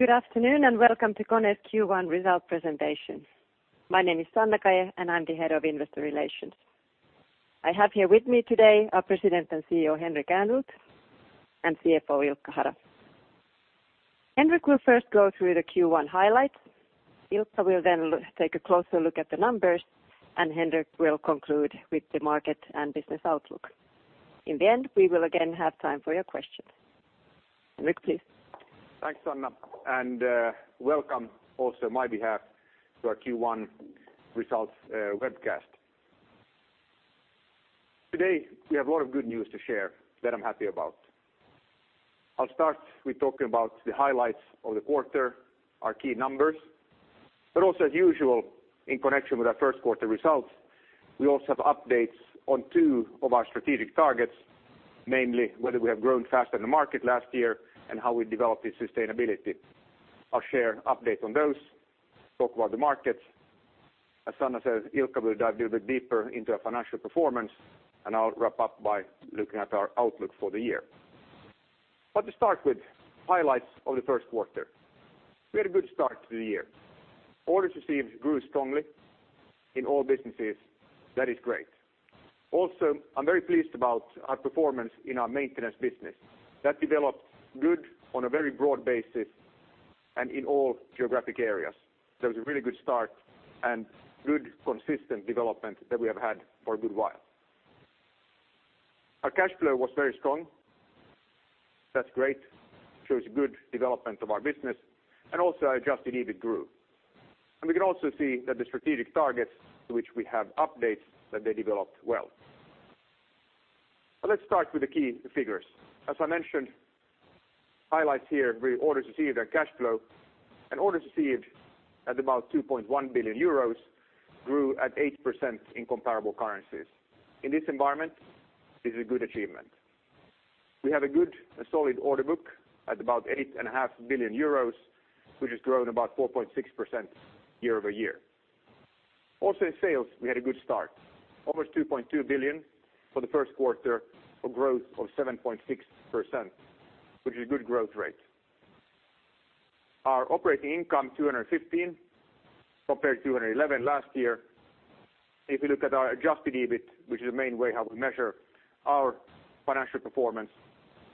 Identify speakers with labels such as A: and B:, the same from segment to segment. A: Good afternoon, and welcome to KONE's Q1 result presentation. My name is Sanna Kaje and I'm the Head of Investor Relations. I have here with me today our President and CEO, Henrik Ehrnrooth, and CFO, Ilkka Hara. Henrik will first go through the Q1 highlights. Ilkka will take a closer look at the numbers, and Henrik will conclude with the market and business outlook. In the end, we will again have time for your questions. Henrik, please.
B: Thanks, Sanna, and welcome also on my behalf to our Q1 results webcast. Today, we have a lot of good news to share that I'm happy about. I'll start with talking about the highlights of the quarter, our key numbers, but also as usual, in connection with our first quarter results, we also have updates on two of our strategic targets. Namely, whether we have grown faster than the market last year and how we developed in sustainability. I'll share an update on those, talk about the markets. As Sanna said, Ilkka will dive a little bit deeper into our financial performance, and I'll wrap up by looking at our outlook for the year. To start with highlights of the first quarter. We had a good start to the year. Orders received grew strongly in all businesses. That is great. Also, I'm very pleased about our performance in our maintenance business. That developed good on a very broad basis and in all geographic areas. That was a really good start and good consistent development that we have had for a good while. Our cash flow was very strong. That's great. Shows good development of our business and also our adjusted EBIT grew. We can also see that the strategic targets to which we have updates, that they developed well. Let's start with the key figures. As I mentioned, highlights here were orders received and cash flow. Orders received at about 2.1 billion euros grew at 8% in comparable currencies. In this environment, this is a good achievement. We have a good, solid order book at about 8.5 billion euros, which has grown about 4.6% year-over-year. Also, in sales, we had a good start. Almost 2.2 billion for the first quarter, a growth of 7.6%, which is a good growth rate. Our operating income 215 compared to 211 last year. If you look at our adjusted EBIT, which is the main way how we measure our financial performance,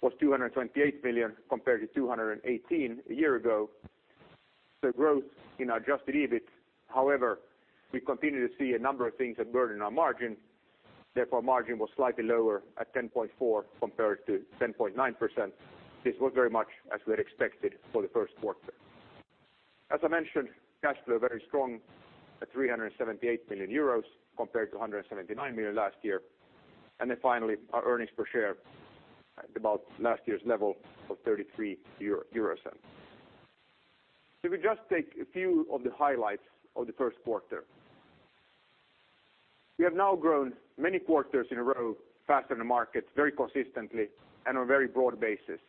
B: was 228 million compared to 218 million a year ago. So growth in our adjusted EBIT. However, we continue to see a number of things that burden our margin, therefore margin was slightly lower at 10.4% compared to 10.9%. This was very much as we had expected for the first quarter. As I mentioned, cash flow very strong at 378 million euros compared to 179 million last year. Finally, our earnings per share at about last year's level of 0.33 euro. If we just take a few of the highlights of the first quarter. We have now grown many quarters in a row faster than the market, very consistently, and on a very broad basis.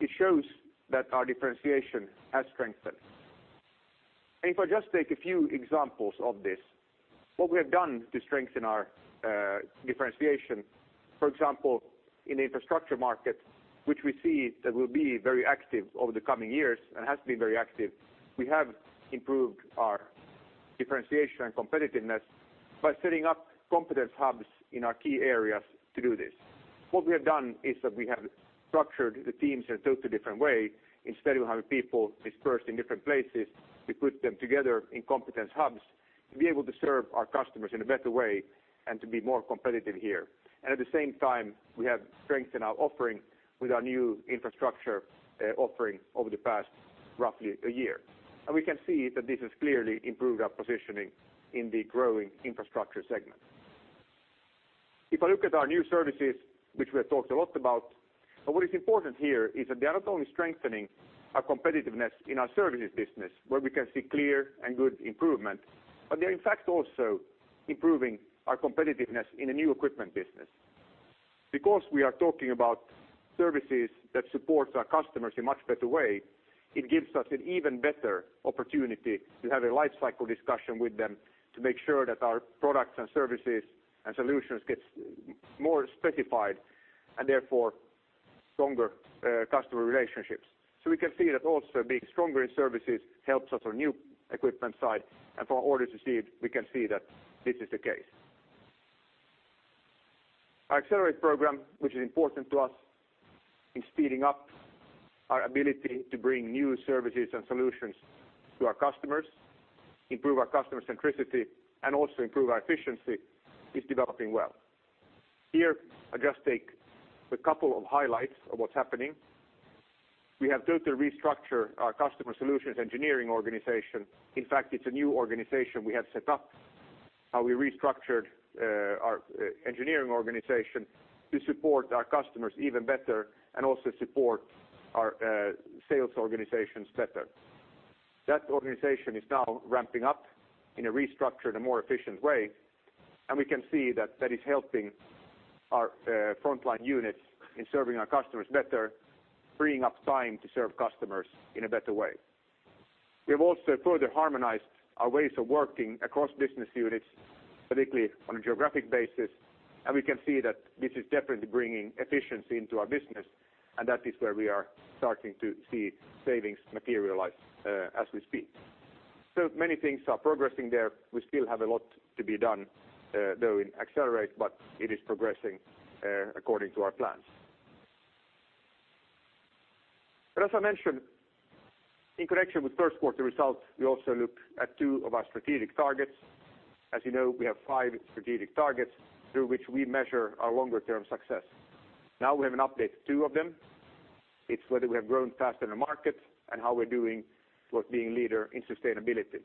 B: It shows that our differentiation has strengthened. If I just take a few examples of this. What we have done to strengthen our differentiation, for example, in infrastructure market, which we see that will be very active over the coming years and has been very active. We have improved our differentiation and competitiveness by setting up competence hubs in our key areas to do this. What we have done is that we have structured the teams in a totally different way. Instead of having people dispersed in different places, we put them together in competence hubs to be able to serve our customers in a better way and to be more competitive here. At the same time, we have strengthened our offering with our new infrastructure offering over the past roughly a year. We can see that this has clearly improved our positioning in the growing infrastructure segment. If I look at our new services, which we have talked a lot about, what is important here is that they are not only strengthening our competitiveness in our services business, where we can see clear and good improvement, but they're in fact also improving our competitiveness in the new equipment business. Because we are talking about services that support our customers in much better way, it gives us an even better opportunity to have a life cycle discussion with them to make sure that our products and services and solutions gets more specified, and therefore stronger customer relationships. We can see that also being stronger in services helps us on new equipment side and for orders received, we can see that this is the case. Our Accelerate program, which is important to us in speeding up our ability to bring new services and solutions to our customers, improve our customer centricity, and also improve our efficiency, is developing well. Here, I just take a couple of highlights of what's happening. We have totally restructured our customer solutions engineering organization. In fact, it's a new organization we have set up. How we restructured our engineering organization to support our customers even better and also support our sales organizations better. That organization is now ramping up in a restructured and more efficient way. We can see that that is helping our frontline units in serving our customers better, freeing up time to serve customers in a better way. We have also further harmonized our ways of working across business units, particularly on a geographic basis. We can see that this is definitely bringing efficiency into our business, and that is where we are starting to see savings materialize as we speak. Many things are progressing there. We still have a lot to be done though in Accelerate, but it is progressing according to our plans. As I mentioned, in connection with first quarter results, we also look at two of our strategic targets. As you know, we have five strategic targets through which we measure our longer-term success. Now we have an update, two of them. It's whether we have grown faster than the market and how we're doing towards being a leader in sustainability.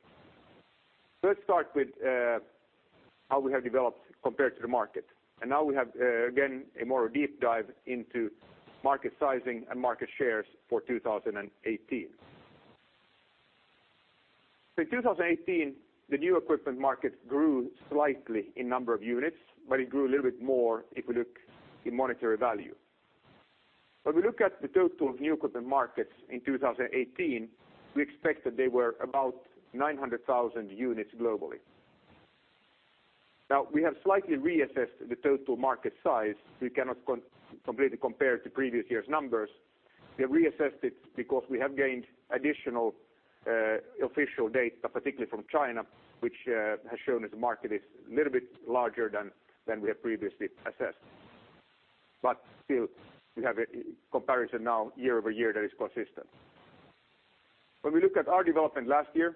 B: Let's start with how we have developed compared to the market. Now we have again, a more deep dive into market sizing and market shares for 2018. In 2018, the new equipment market grew slightly in number of units, but it grew a little bit more if you look in monetary value. When we look at the total new equipment markets in 2018, we expect that they were about 900,000 units globally. Now, we have slightly reassessed the total market size. We cannot completely compare to previous year's numbers. We have reassessed it because we have gained additional official data, particularly from China, which has shown that the market is a little bit larger than we have previously assessed. Still, we have a comparison now year-over-year that is consistent. When we look at our development last year,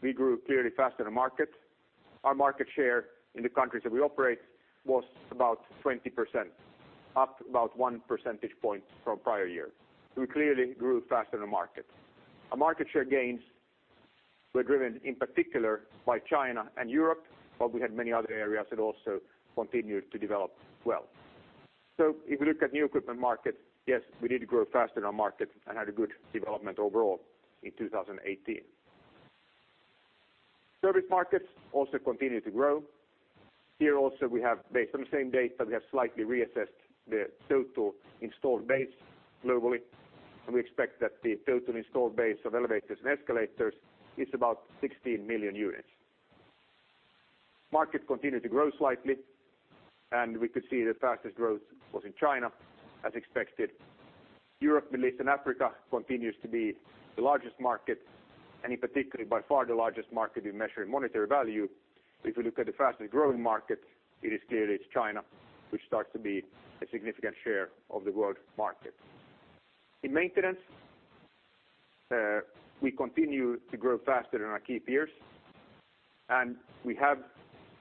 B: we grew clearly faster than the market. Our market share in the countries that we operate was about 20%, up about one percentage point from prior year. We clearly grew faster than the market. Our market share gains were driven, in particular, by China and Europe, but we had many other areas that also continued to develop well. If we look at new equipment markets, yes, we need to grow faster than our market and had a good development overall in 2018. Service markets also continue to grow. Here also we have based on the same data, we have slightly reassessed the total installed base globally. We expect that the total installed base of elevators and escalators is about 16 million units. Market continued to grow slightly, and we could see the fastest growth was in China as expected. Europe, Middle East, and Africa continues to be the largest market, and in particular, by far the largest market if you measure in monetary value. If you look at the fastest-growing market, it is clearly China, which starts to be a significant share of the world market. In maintenance, we continue to grow faster than our key peers, and we have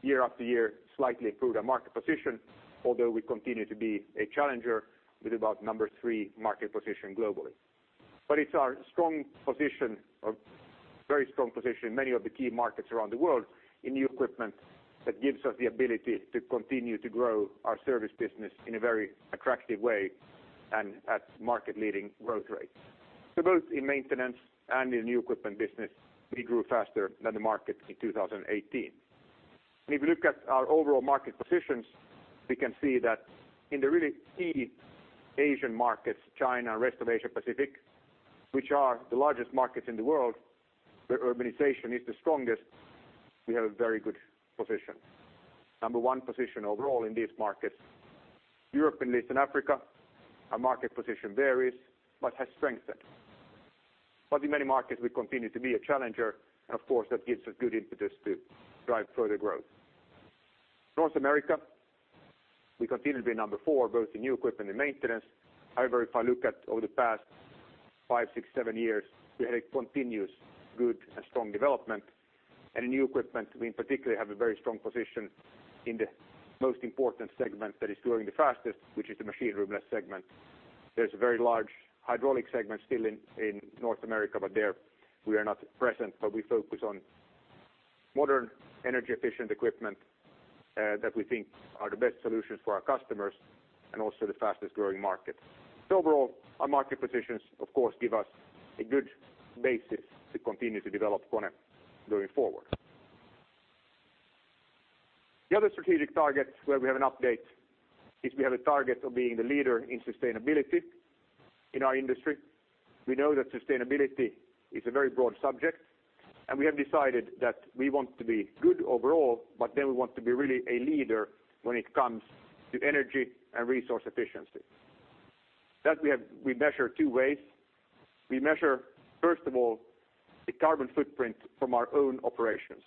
B: year after year, slightly improved our market position, although we continue to be a challenger with about number three market position globally. It's our strong position or very strong position in many of the key markets around the world in new equipment that gives us the ability to continue to grow our service business in a very attractive way and at market leading growth rates. Both in maintenance and in new equipment business, we grew faster than the market in 2018. If you look at our overall market positions, we can see that in the really key Asian markets, China, rest of Asia-Pacific, which are the largest markets in the world, where urbanization is the strongest, we have a very good position. Number one position overall in these markets. Europe, Middle East, and Africa, our market position varies but has strengthened. In many markets, we continue to be a challenger, and of course, that gives us good impetus to drive further growth. North America, we continue to be number four, both in new equipment and maintenance. However, if I look at over the past five, six, seven years, we have a continuous good and strong development. In new equipment, we particularly have a very strong position in the most important segment that is growing the fastest, which is the machine room-less segment. There's a very large hydraulic segment still in North America, but there we are not present, but we focus on modern energy-efficient equipment that we think are the best solutions for our customers and also the fastest-growing market. Overall, our market positions, of course, give us a good basis to continue to develop KONE going forward. The other strategic target where we have an update is we have a target of being the leader in sustainability in our industry. We know that sustainability is a very broad subject, we have decided that we want to be good overall, but we want to be really a leader when it comes to energy and resource efficiency. We measure two ways. We measure, first of all, the carbon footprint from our own operations.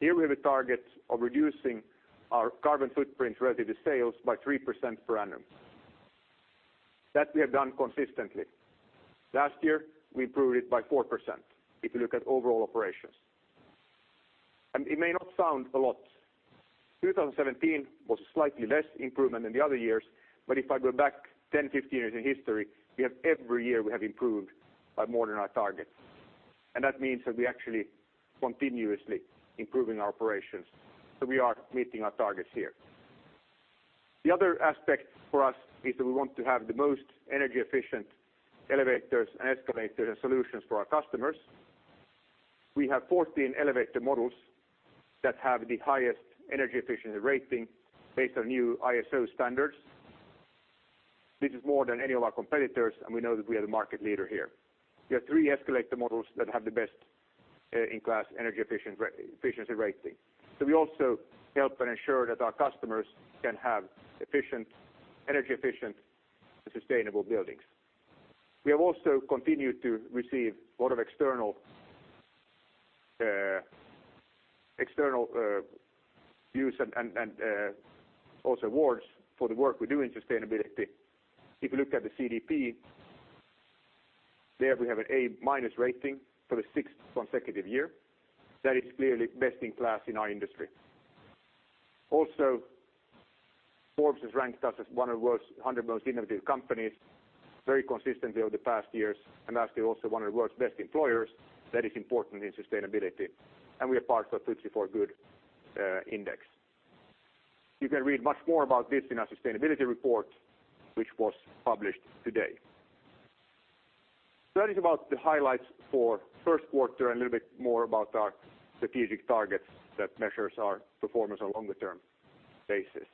B: Here we have a target of reducing our carbon footprint relative to sales by 3% per annum. We have done consistently. Last year, we improved it by 4% if you look at overall operations. It may not sound a lot. 2017 was slightly less improvement than the other years, but if I go back 10, 15 years in history, every year we have improved by more than our target. That means that we actually continuously improving our operations. We are meeting our targets here. The other aspect for us is that we want to have the most energy-efficient elevators and escalators and solutions for our customers. We have 14 elevator models that have the highest energy efficiency rating based on new ISO standards. This is more than any of our competitors, we know that we are the market leader here. We have three escalator models that have the best-in-class energy efficiency rating. We also help and ensure that our customers can have energy-efficient and sustainable buildings. We have also continued to receive a lot of external views and awards for the work we do in sustainability. If you looked at the CDP, there we have an A-minus rating for the sixth consecutive year. That is clearly best in class in our industry. Also, Forbes has ranked us as one of the world's 100 most innovative companies very consistently over the past years, and lastly, also one of the world's best employers. That is important in sustainability. We are part of FTSE4Good Index. You can read much more about this in our sustainability report, which was published today. That is about the highlights for the first quarter and a little bit more about our strategic targets that measures our performance on a longer term basis.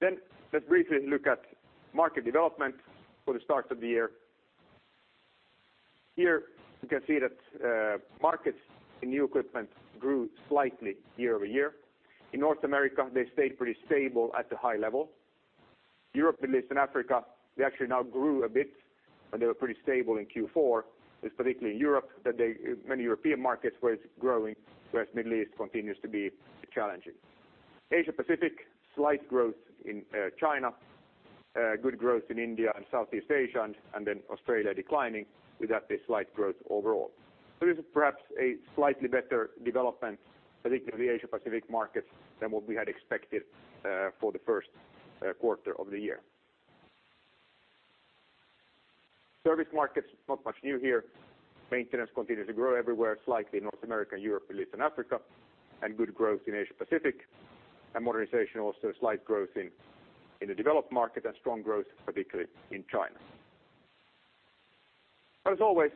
B: Let's briefly look at market development for the start of the year. Here you can see that markets in new equipment grew slightly year-over-year. In North America, they stayed pretty stable at the high level. Europe, Middle East, and Africa, they actually now grew a bit, and they were pretty stable in Q4. It's particularly in Europe that many European markets were growing, whereas the Middle East continues to be challenging. Asia Pacific, slight growth in China, good growth in India and Southeast Asia, and Australia declining. With that, a slight growth overall. This is perhaps a slightly better development, particularly in the Asia Pacific markets, than what we had expected for the first quarter of the year. Service markets, not much new here. Maintenance continues to grow everywhere. Slightly in North America and Europe, Middle East, and Africa, and good growth in Asia Pacific. Modernization, also slight growth in the developed market and strong growth, particularly in China. As always,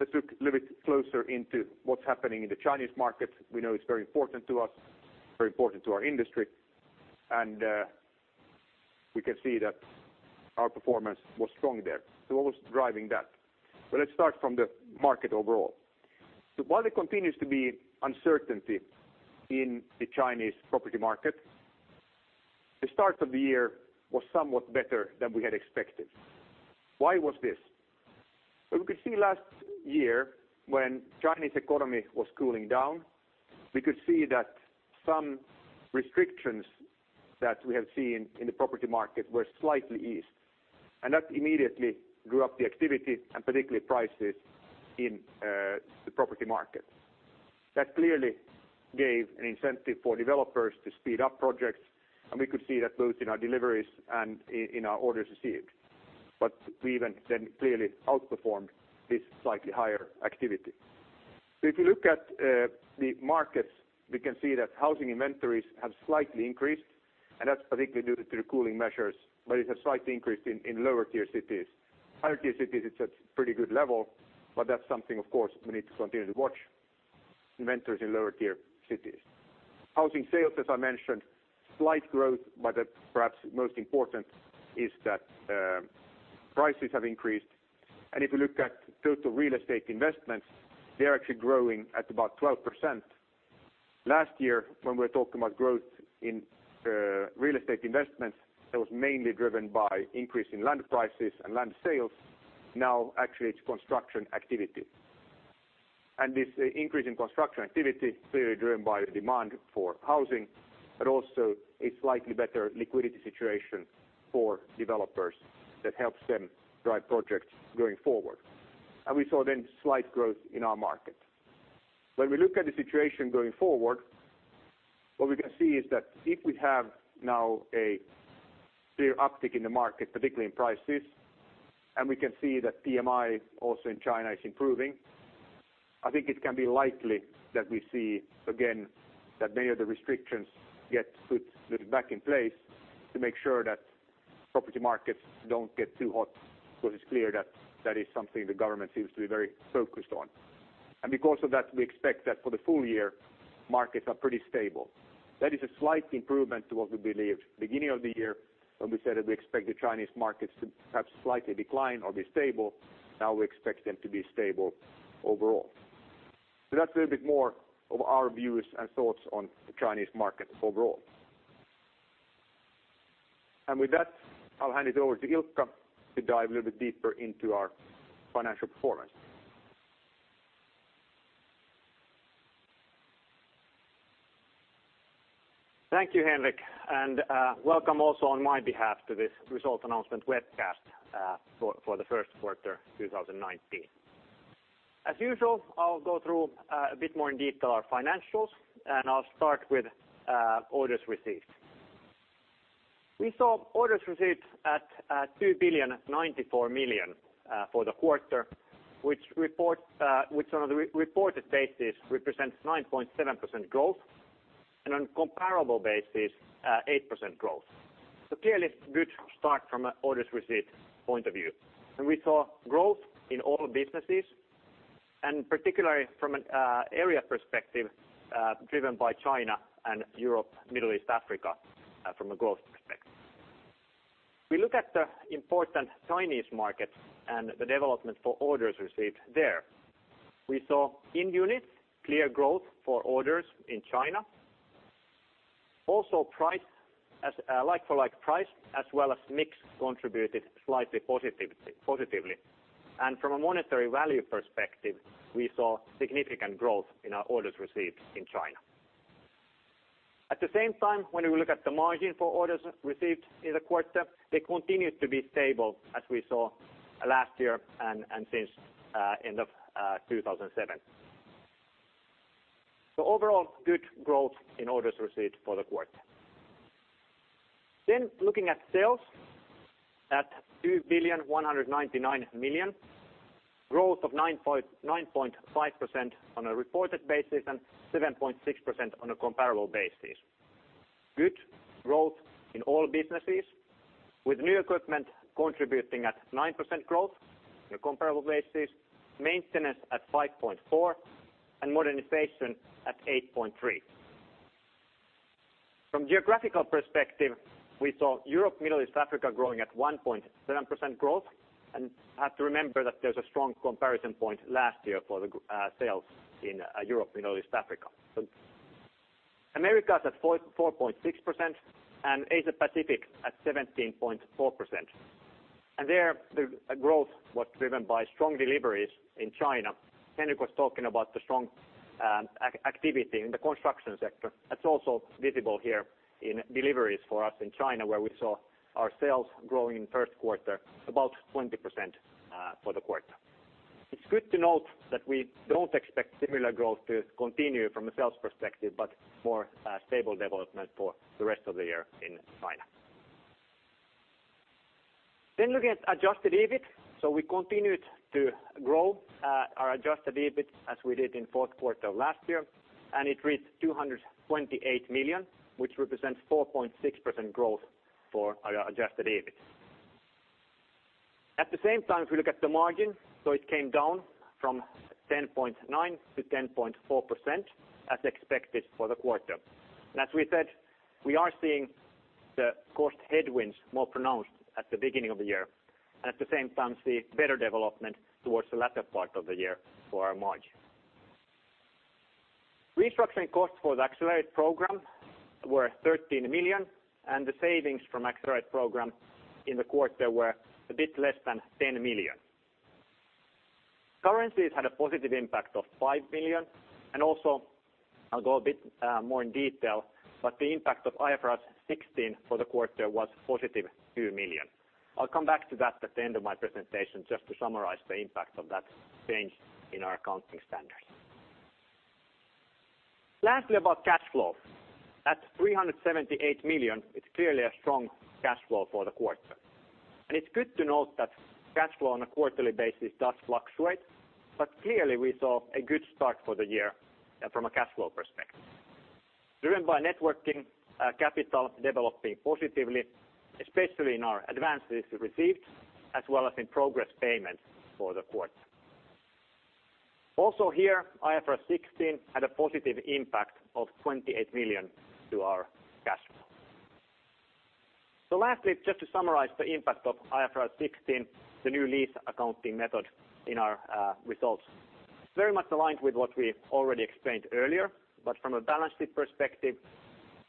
B: let's look a little bit closer into what's happening in the Chinese market. We know it's very important to us, very important to our industry, and we can see that our performance was strong there. What was driving that? Let's start from the market overall. While there continues to be uncertainty in the Chinese property market, the start of the year was somewhat better than we had expected. Why was this? We could see last year when Chinese economy was cooling down, we could see that some restrictions that we have seen in the property market were slightly eased, and that immediately grew up the activity and particularly prices in the property market. That clearly gave an incentive for developers to speed up projects, and we could see that both in our deliveries and in our orders received. We even then clearly outperformed this slightly higher activity. If you look at the markets, we can see that housing inventories have slightly increased, and that's particularly due to the cooling measures. It's a slight increase in lower-tier cities. Higher-tier cities, it's at a pretty good level. That's something, of course, we need to continue to watch: inventories in lower-tier cities. Housing sales, as I mentioned, slight growth. Perhaps most important is that prices have increased. If you look at total real estate investments, they're actually growing at about 12%. Last year, when we were talking about growth in real estate investments, that was mainly driven by increase in land prices and land sales. Now actually it's construction activity. This increase in construction activity clearly driven by the demand for housing, but also a slightly better liquidity situation for developers that helps them drive projects going forward. We saw then slight growth in our market. When we look at the situation going forward, what we can see is that if we have now a clear uptick in the market, particularly in prices, and we can see that PMI also in China is improving, I think it can be likely that we see again that many of the restrictions get put back in place to make sure that property markets don't get too hot, because it's clear that that is something the government seems to be very focused on. Because of that, we expect that for the full year, markets are pretty stable. That is a slight improvement to what we believed at the beginning of the year when we said that we expect the Chinese markets to perhaps slightly decline or be stable. Now we expect them to be stable overall. That's a little bit more of our views and thoughts on the Chinese market overall. With that, I'll hand it over to Ilkka to dive a little bit deeper into our financial performance.
C: Thank you, Henrik. Welcome also on my behalf to this result announcement webcast for the first quarter 2019. As usual, I'll go through a bit more in detail our financials, and I'll start with orders received. We saw orders received at 2,094 million for the quarter, which on a reported basis represents 9.7% growth. On a comparable basis, 8% growth. Clearly a good start from an orders received point of view. We saw growth in all businesses. Particularly from an area perspective, driven by China and Europe, Middle East, Africa from a growth perspective. We look at the important Chinese market and the development for orders received there. We saw in units, clear growth for orders in China. Also, like-for-like price as well as mix contributed slightly positively. From a monetary value perspective, we saw significant growth in our orders received in China. At the same time, when we look at the margin for orders received in the quarter, they continued to be stable as we saw last year and since end of 2007. Overall, good growth in orders received for the quarter. Looking at sales at 2,199 million. Growth of 9.5% on a reported basis and 7.6% on a comparable basis. Good growth in all businesses with new equipment contributing at 9% growth in a comparable basis, maintenance at 5.4%, and modernization at 8.3%. From geographical perspective, we saw Europe, Middle East, Africa growing at 1.7% growth, and have to remember that there's a strong comparison point last year for the sales in Europe, Middle East, Africa. Americas at 4.6% and Asia Pacific at 17.4%. There, the growth was driven by strong deliveries in China. Henrik was talking about the strong activity in the construction sector. That's also visible here in deliveries for us in China, where we saw our sales growing first quarter, about 20% for the quarter. It's good to note that we don't expect similar growth to continue from a sales perspective, but more stable development for the rest of the year in China. Looking at adjusted EBIT. We continued to grow our adjusted EBIT as we did in fourth quarter of last year, and it reached 228 million, which represents 4.6% growth for our adjusted EBIT. At the same time, if you look at the margin, so it came down from 10.9% to 10.4% as expected for the quarter. As we said, we are seeing the cost headwinds more pronounced at the beginning of the year, and at the same time, see better development towards the latter part of the year for our margin. Restructuring costs for the Accelerate program were 13 million. The savings from Accelerate program in the quarter were a bit less than 10 million. Currencies had a positive impact of 5 million. I'll go a bit more in detail, the impact of IFRS 16 for the quarter was positive 2 million. I'll come back to that at the end of my presentation just to summarize the impact of that change in our accounting standards. Lastly, about cash flow. At 378 million, it's clearly a strong cash flow for the quarter. It's good to note that cash flow on a quarterly basis does fluctuate, but clearly we saw a good start for the year from a cash flow perspective. Driven by networking capital developing positively, especially in our advances received, as well as in progress payment for the quarter. Here, IFRS 16 had a positive impact of 28 million to our cash flow. Lastly, just to summarize the impact of IFRS 16, the new lease accounting method in our results. Very much aligned with what we already explained earlier. From a balance sheet perspective,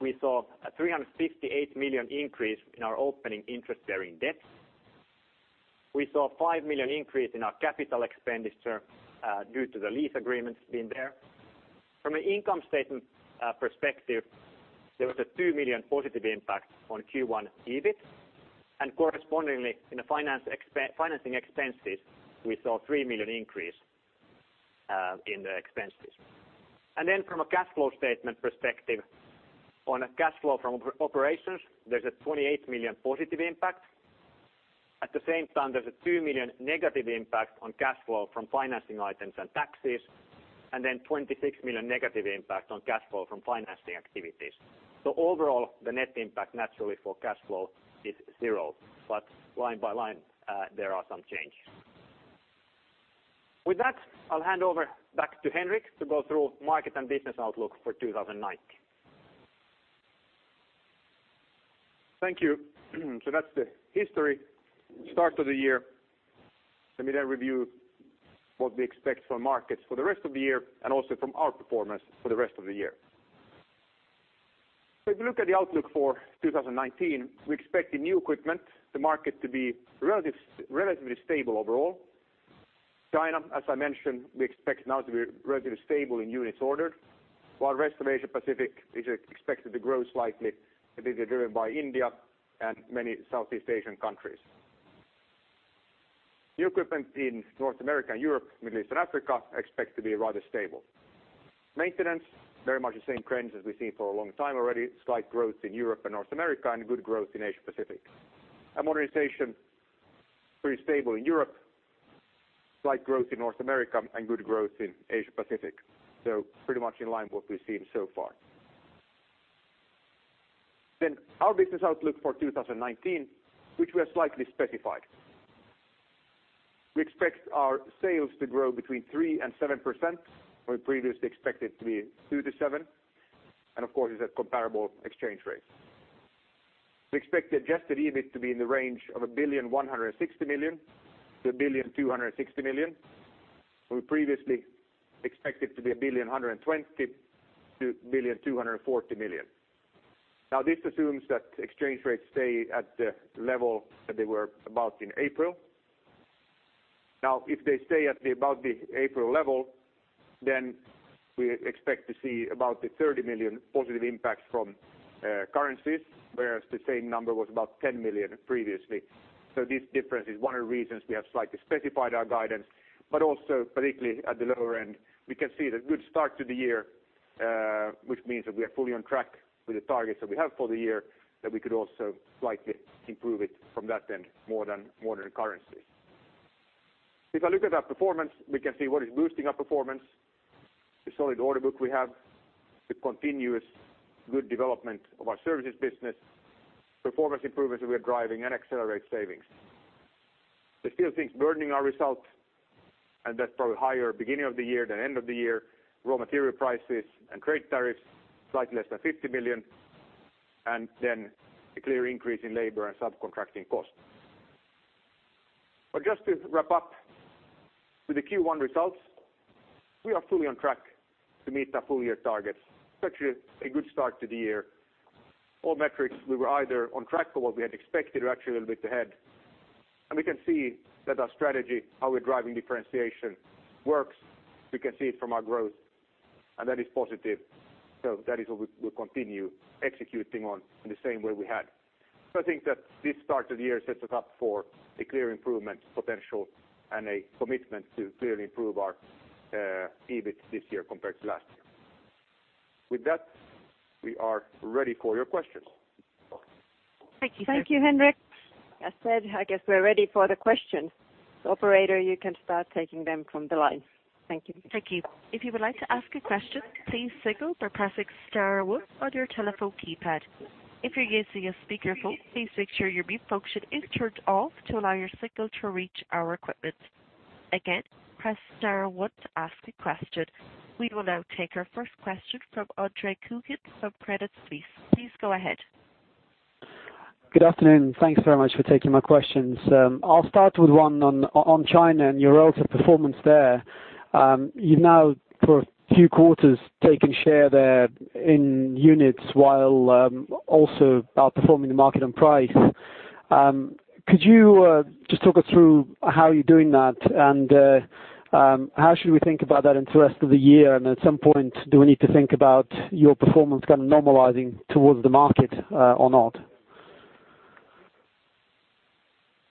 C: we saw a 368 million increase in our opening interest there in debt. We saw a 5 million increase in our capital expenditure due to the lease agreements being there. From an income statement perspective, there was a 2 million positive impact on Q1 EBIT. Correspondingly in the financing expenses, we saw a 3 million increase in the expenses. From a cash flow statement perspective, on a cash flow from operations, there's a 28 million positive impact. At the same time, there's a 2 million negative impact on cash flow from financing items and taxes. Then 26 million negative impact on cash flow from financing activities. Overall, the net impact naturally for cash flow is zero. Line by line, there are some changes. With that, I'll hand over back to Henrik to go through market and business outlook for 2019.
B: Thank you. That's the history start to the year. Let me review what we expect from markets for the rest of the year and also from our performance for the rest of the year. If you look at the outlook for 2019, we expect the new equipment, the market to be relatively stable overall. China, as I mentioned, we expect now to be relatively stable in units ordered, while rest of Asia Pacific is expected to grow slightly. It is driven by India and many Southeast Asian countries. New equipment in North America and Europe, Middle East, and Africa expect to be rather stable. Maintenance, very much the same trends as we've seen for a long time already. Slight growth in Europe and North America and good growth in Asia Pacific. Modernization, pretty stable in Europe, slight growth in North America, and good growth in Asia Pacific. Pretty much in line with what we've seen so far. Then our business outlook for 2019, which we have slightly specified. We expect our sales to grow between 3% and 7%, where we previously expected it to be 2% to 7%. Of course, it's at comparable exchange rates. We expect adjusted EBIT to be in the range of 1,160 million to 1,260 million. We previously expect it to be 1,120 million to EUR 1,240 million. This assumes that exchange rates stay at the level that they were about in April. If they stay at about the April level, we expect to see about a 30 million positive impact from currencies, whereas the same number was about 10 million previously. This difference is one of the reasons we have slightly specified our guidance, but also particularly at the lower end. We can see the good start to the year, which means that we are fully on track with the targets that we have for the year, that we could also slightly improve it from that end more than currency. If I look at our performance, we can see what is boosting our performance. The solid order book we have, the continuous good development of our services business, performance improvements we are driving, and Accelerate savings. There's still things burdening our result, and that's probably higher beginning of the year than end of the year, raw material prices and trade tariffs, slightly less than 50 million, and then a clear increase in labor and subcontracting costs. Just to wrap up with the Q1 results, we are fully on track to meet our full year targets, such a good start to the year. All metrics we were either on track for what we had expected or actually a little bit ahead. We can see that our strategy, how we're driving differentiation works. We can see it from our growth, and that is positive. That is what we'll continue executing on in the same way we had. I think that this start to the year sets us up for a clear improvement potential and a commitment to clearly improve our EBIT this year compared to last year. With that, we are ready for your questions.
D: Thank you.
A: Thank you, Henrik. As said, I guess we're ready for the questions. Operator, you can start taking them from the line. Thank you.
D: Thank you. If you would like to ask a question, please signal by pressing star one on your telephone keypad. If you're using a speakerphone, please make sure your mute function is turned off to allow your signal to reach our equipment. Again, press star one to ask a question. We will now take our first question from Andre Kukhnin of Credit Suisse. Please go ahead.
E: Good afternoon. Thanks very much for taking my questions. I'll start with one on China and your relative performance there. You've now for a few quarters taken share there in units while also outperforming the market on price. Could you just talk us through how you're doing that and how should we think about that in the rest of the year? At some point, do we need to think about your performance kind of normalizing towards the market or not?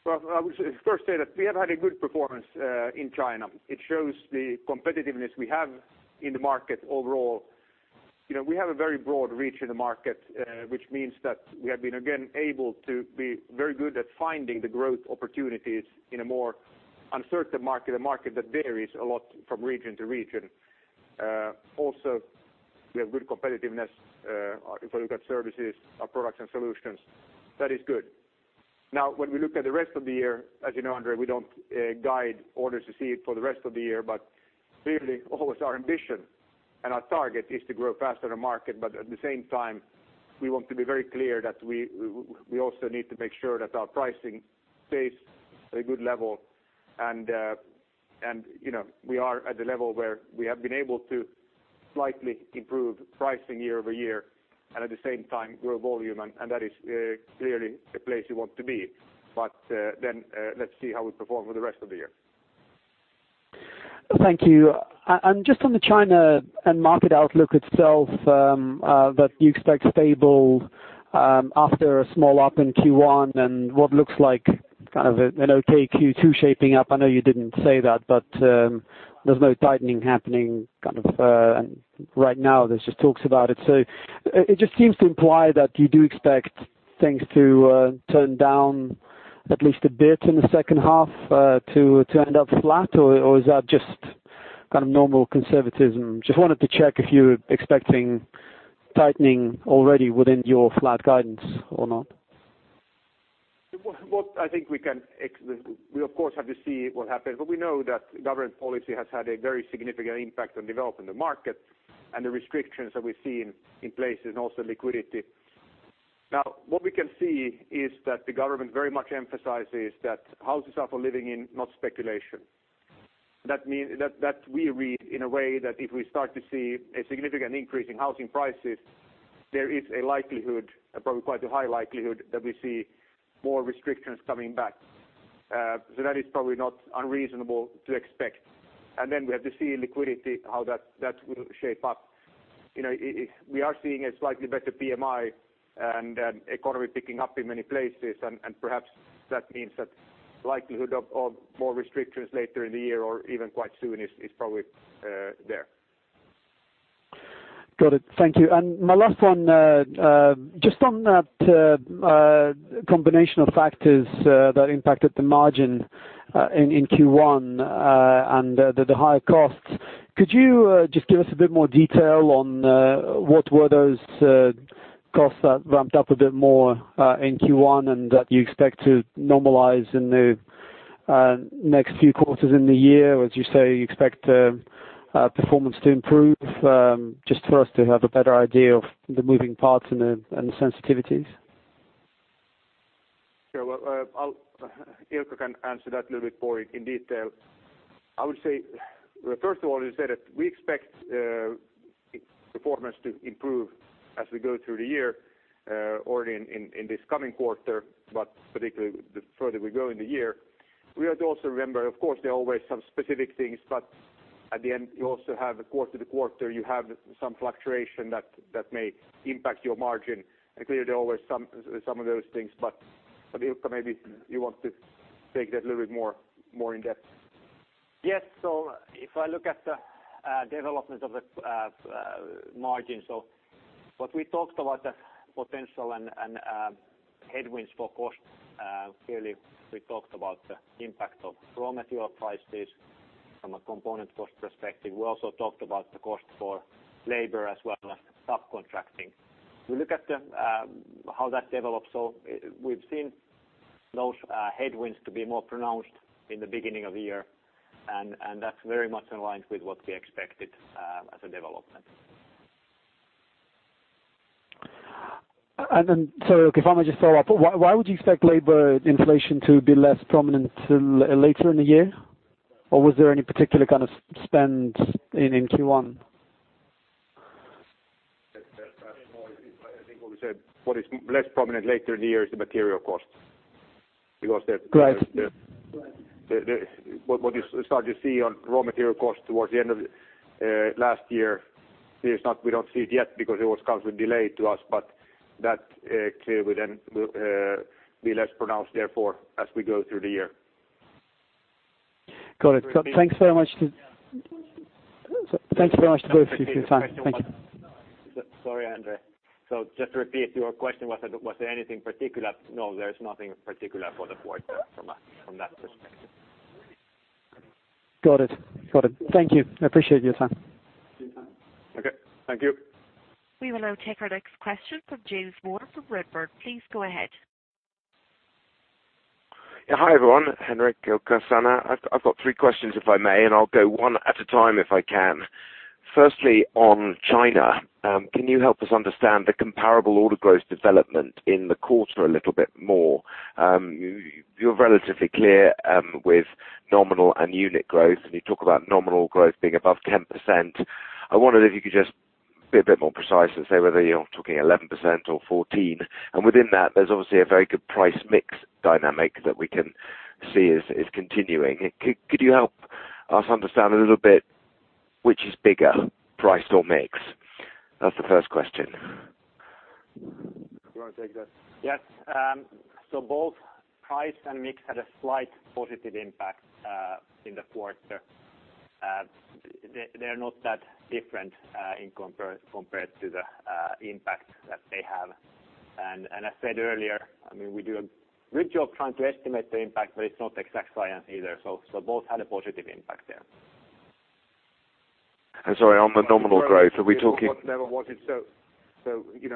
B: I would first say that we have had a good performance in China. It shows the competitiveness we have in the market overall. We have a very broad reach in the market, which means that we have been, again, able to be very good at finding the growth opportunities in a more uncertain market, a market that varies a lot from region to region. Also, we have good competitiveness if you look at services, our products and solutions. That is good. Now, when we look at the rest of the year, as you know Andre, we don't guide orders to see it for the rest of the year, clearly always our ambition and our target is to grow faster than market. At the same time, we want to be very clear that we also need to make sure that our pricing stays at a good level. We are at the level where we have been able to slightly improve pricing year-over-year, and at the same time grow volume, and that is clearly the place you want to be. Let's see how we perform for the rest of the year.
E: Thank you. Just on the China and market outlook itself, that you expect stable after a small up in Q1 and what looks like kind of an okay Q2 shaping up. I know you didn't say that, but there's no tightening happening kind of right now. There's just talks about it. It just seems to imply that you do expect things to turn down at least a bit in the second half to end up flat or is that just kind of normal conservatism? Just wanted to check if you're expecting tightening already within your flat guidance or not.
B: We, of course, have to see what happens. We know that government policy has had a very significant impact on developing the market and the restrictions that we've seen in place and also liquidity. What we can see is that the government very much emphasizes that houses are for living in, not speculation. That we read in a way that if we start to see a significant increase in housing prices, there is a likelihood, probably quite a high likelihood, that we see more restrictions coming back. That is probably not unreasonable to expect. We have to see liquidity, how that will shape up. We are seeing a slightly better PMI and economy picking up in many places, and perhaps that means that likelihood of more restrictions later in the year or even quite soon is probably there.
E: Got it. Thank you. My last one, just on that combinational factors that impacted the margin in Q1 and the higher costs. Could you just give us a bit more detail on what were those costs that ramped up a bit more in Q1 and that you expect to normalize in the next few quarters in the year, as you say, you expect performance to improve. Just for us to have a better idea of the moving parts and the sensitivities.
B: Sure. Ilkka can answer that little bit more in detail. I would say, first of all is that we expect performance to improve as we go through the year, already in this coming quarter, but particularly the further we go in the year. We ought to also remember, of course, there are always some specific things, but at the end, you also have a quarter-to-quarter, you have some fluctuation that may impact your margin. Clearly, there are always some of those things. Ilkka, maybe you want to take that little bit more in depth.
C: Yes. If I look at the development of the margin, so what we talked about the potential and headwinds for cost. Clearly, we talked about the impact of raw material prices from a component cost perspective. We also talked about the cost for labor as well as subcontracting. We look at how that develops. We've seen those headwinds to be more pronounced in the beginning of the year, and that's very much in line with what we expected as a development.
E: Then, sorry, if I may just follow up. Why would you expect labor inflation to be less prominent later in the year? Or was there any particular kind of spend in Q1?
B: I think what we said, what is less prominent later in the year is the material cost.
E: Right.
B: What you start to see on raw material costs towards the end of last year, we don't see it yet because it always comes with delay to us, but that clearly will then be less pronounced, therefore, as we go through the year.
E: Got it. Thanks very much to both of you for your time. Thank you.
C: Sorry, Andre. Just to repeat your question, was there anything particular? No, there's nothing particular for the quarter from that perspective.
E: Got it. Thank you. I appreciate your time.
B: Okay. Thank you.
D: We will now take our next question from James Moore from Redburn. Please go ahead.
F: Yeah. Hi, everyone, Henrik, Ilkka, Sanna. I've got three questions, if I may, and I'll go one at a time if I can. Firstly, on China, can you help us understand the comparable order growth development in the quarter a little bit more? You're relatively clear with nominal and unit growth, and you talk about nominal growth being above 10%. I wonder if you could just be a bit more precise and say whether you're talking 11% or 14? Within that, there's obviously a very good price mix dynamic that we can see is continuing. Could you help us understand a little bit which is bigger, price or mix? That's the first question.
B: You want to take that?
C: Yes. Both price and mix had a slight positive impact in the quarter. They're not that different compared to the impact that they have. I said earlier, we do a good job trying to estimate the impact, but it's not exact science either. Both had a positive impact there.
F: Sorry, on the nominal growth, are we talking?
B: What level was it?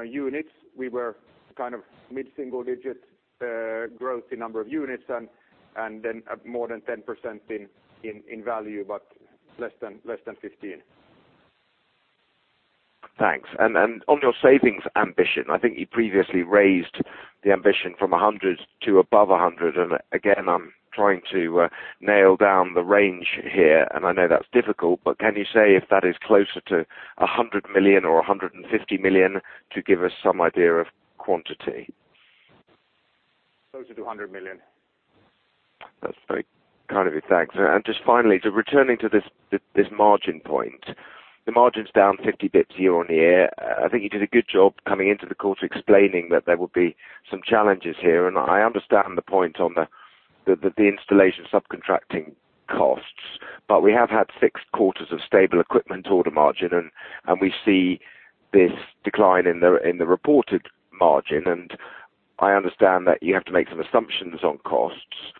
B: Units, we were kind of mid-single-digit growth in number of units, and then more than 10% in value, but less than 15%.
F: Thanks. On your savings ambition, I think you previously raised the ambition from 100 to above 100. Again, I'm trying to nail down the range here, and I know that's difficult, but can you say if that is closer to 100 million or 150 million to give us some idea of quantity?
C: Closer to 100 million.
F: That's very kind of you. Thanks. Just finally, returning to this margin point. The margin's down 50 basis points year-over-year. I think you did a good job coming into the quarter explaining that there would be some challenges here. I understand the point on the installation subcontracting costs. We have had six quarters of stable equipment order margin, and we see this decline in the reported margin. I understand that you have to make some assumptions on costs,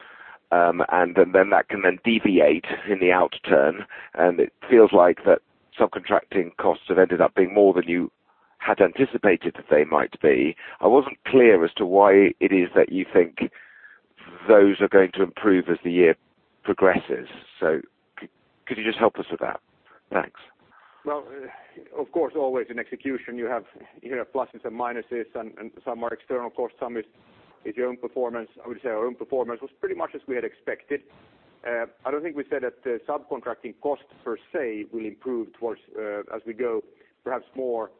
F: and then that can then deviate in the out turn, and it feels like that subcontracting costs have ended up being more than you had anticipated that they might be. I wasn't clear as to why it is that you think those are going to improve as the year progresses. Could you just help us with that? Thanks.
B: Of course, always in execution, you have plusses and minuses, and some are external costs, some is your own performance. I would say our own performance was pretty much as we had expected. I don't think we said that the subcontracting cost per se will improve as we go. Perhaps more,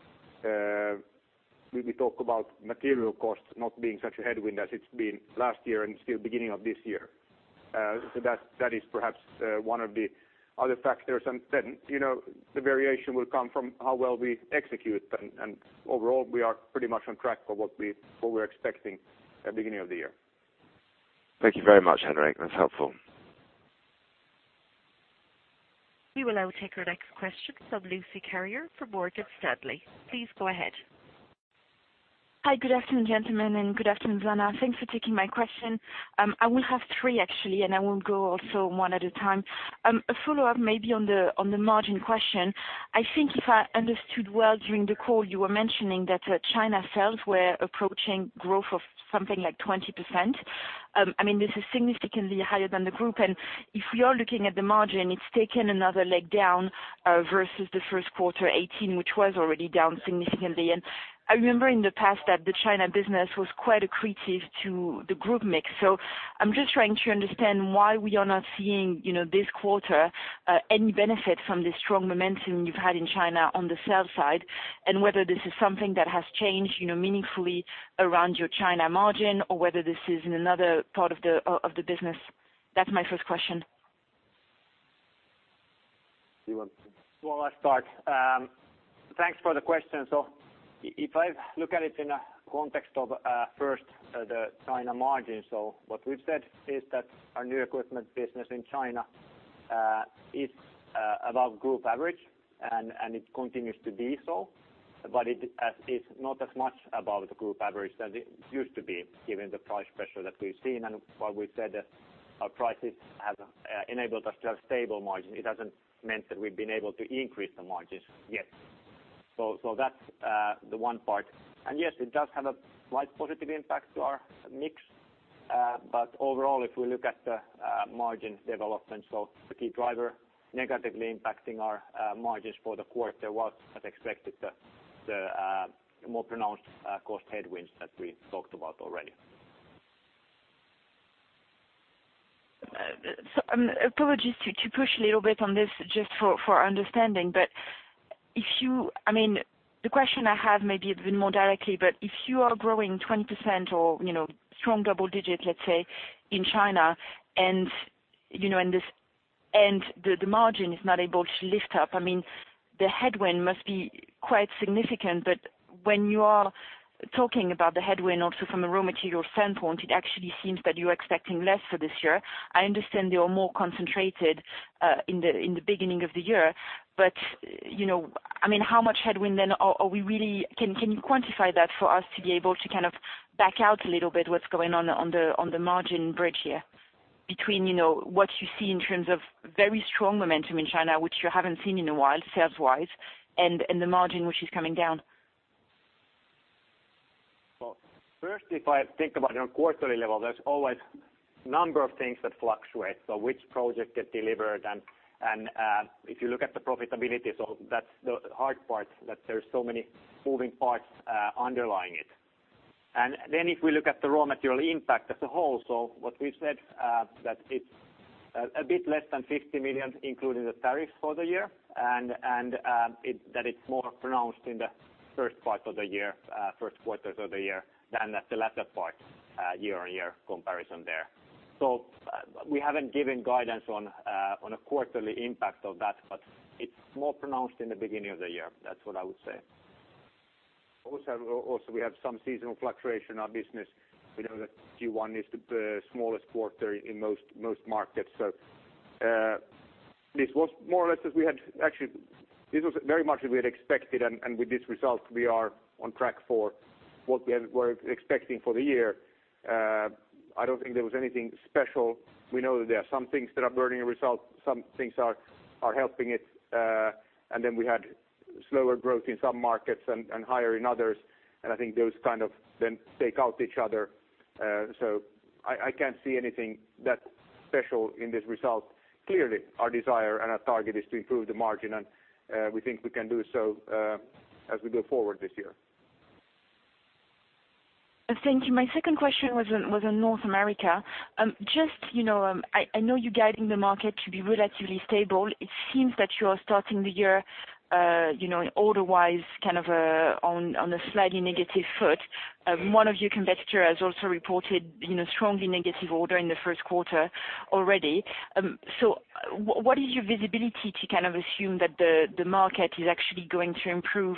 B: we talk about material costs not being such a headwind as it's been last year and still beginning of this year. That is perhaps one of the other factors. Then the variation will come from how well we execute. Overall, we are pretty much on track for what we were expecting at beginning of the year.
F: Thank you very much, Henrik. That's helpful.
D: We will now take our next question from Lucie Carrier for Morgan Stanley. Please go ahead.
G: Hi. Good afternoon, gentlemen, and good afternoon, Sanna. Thanks for taking my question. I will have three actually, I will go also one at a time. A follow-up maybe on the margin question. I think if I understood well during the call, you were mentioning that China sales were approaching growth of something like 20%. I mean, this is significantly higher than the group. If we are looking at the margin, it's taken another leg down versus the first quarter 2018, which was already down significantly. I remember in the past that the China business was quite accretive to the group mix. I'm just trying to understand why we are not seeing this quarter any benefit from the strong momentum you've had in China on the sales side, and whether this is something that has changed meaningfully around your China margin or whether this is in another part of the business. That's my first question.
C: Well, I'll start. Thanks for the question. If I look at it in a context of first the China margin. What we've said is that our new equipment business in China is above group average and it continues to be so, but it is not as much above the group average as it used to be given the price pressure that we've seen and why we've said that our prices have enabled us to have stable margin. It hasn't meant that we've been able to increase the margins yet. That's the one part. Yes, it does have a slight positive impact to our mix. Overall, if we look at the margin development, so the key driver negatively impacting our margins for the quarter was as expected, the more pronounced cost headwinds that we talked about already.
G: Apologies to push a little bit on this just for understanding, the question I have maybe a bit more directly, if you are growing 20% or strong double digit, let's say in China and the margin is not able to lift up, I mean, the headwind must be quite significant, when you are talking about the headwind also from a raw material standpoint, it actually seems that you're expecting less for this year. I understand they are more concentrated in the beginning of the year. How much headwind are we really? Can you quantify that for us to be able to kind of back out a little bit what's going on the margin bridge here between what you see in terms of very strong momentum in China, which you haven't seen in a while sales wise and the margin which is coming down.
C: Well, first, if I think about it on quarterly level, there's always a number of things that fluctuate. Which project get delivered and if you look at the profitability, that's the hard part that there's so many moving parts underlying it. If we look at the raw material impact as a whole, what we've said that it's a bit less than 50 million, including the tariffs for the year and that it's more pronounced in the first part of the year, first quarters of the year than at the latter part year-on-year comparison there. We haven't given guidance on a quarterly impact of that, it's more pronounced in the beginning of the year. That's what I would say.
B: Also, we have some seasonal fluctuation in our business. We know that Q1 is the smallest quarter in most markets. This was more or less as we had. This was very much as we had expected, and with this result, we are on track for what we were expecting for the year. I don't think there was anything special. We know that there are some things that are burning a result. Some things are helping it. We had slower growth in some markets and higher in others. I think those kind of then take out each other. I can't see anything that special in this result. Clearly, our desire and our target is to improve the margin, and we think we can do so as we go forward this year.
G: Thank you. My second question was on North America. I know you're guiding the market to be relatively stable. It seems that you are starting the year order-wise kind of on a slightly negative foot. One of your competitor has also reported strongly negative order in the first quarter already. What is your visibility to kind of assume that the market is actually going to improve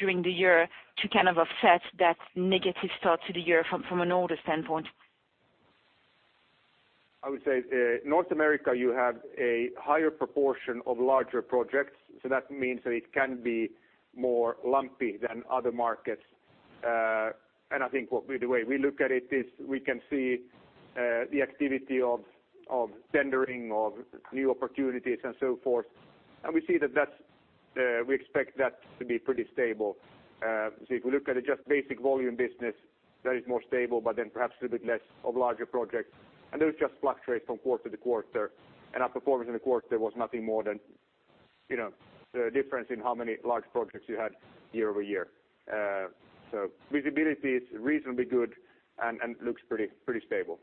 G: during the year to kind of offset that negative start to the year from an order standpoint?
B: I would say North America you have a higher proportion of larger projects. That means that it can be more lumpy than other markets. I think the way we look at it is we can see the activity of tendering of new opportunities and so forth. We see that we expect that to be pretty stable. If we look at it just basic volume business that is more stable, perhaps a little bit less of larger projects and those just fluctuate from quarter to quarter. Our performance in the quarter was nothing more than the difference in how many large projects you had year-over-year. Visibility is reasonably good and looks pretty stable.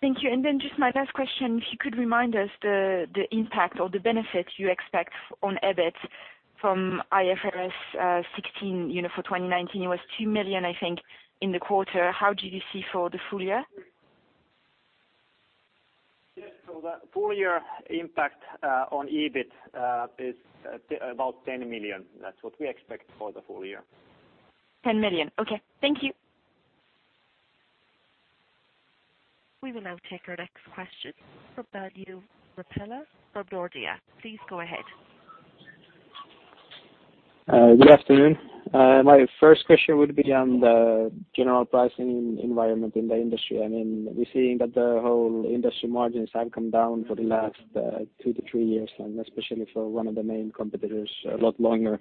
G: Thank you. Just my last question, if you could remind us the impact or the benefit you expect on EBIT from IFRS 16 for 2019. It was 2 million, I think, in the quarter. How do you see for the full year?
C: Yes. The full year impact on EBIT is about 10 million. That's what we expect for the full year.
G: 10 million. Okay. Thank you.
D: We will now take our next question from Berje Räpylä from Nordea. Please go ahead.
H: Good afternoon. My first question would be on the general pricing environment in the industry. I mean, we're seeing that the whole industry margins have come down for the last two to three years, and especially for one of the main competitors a lot longer.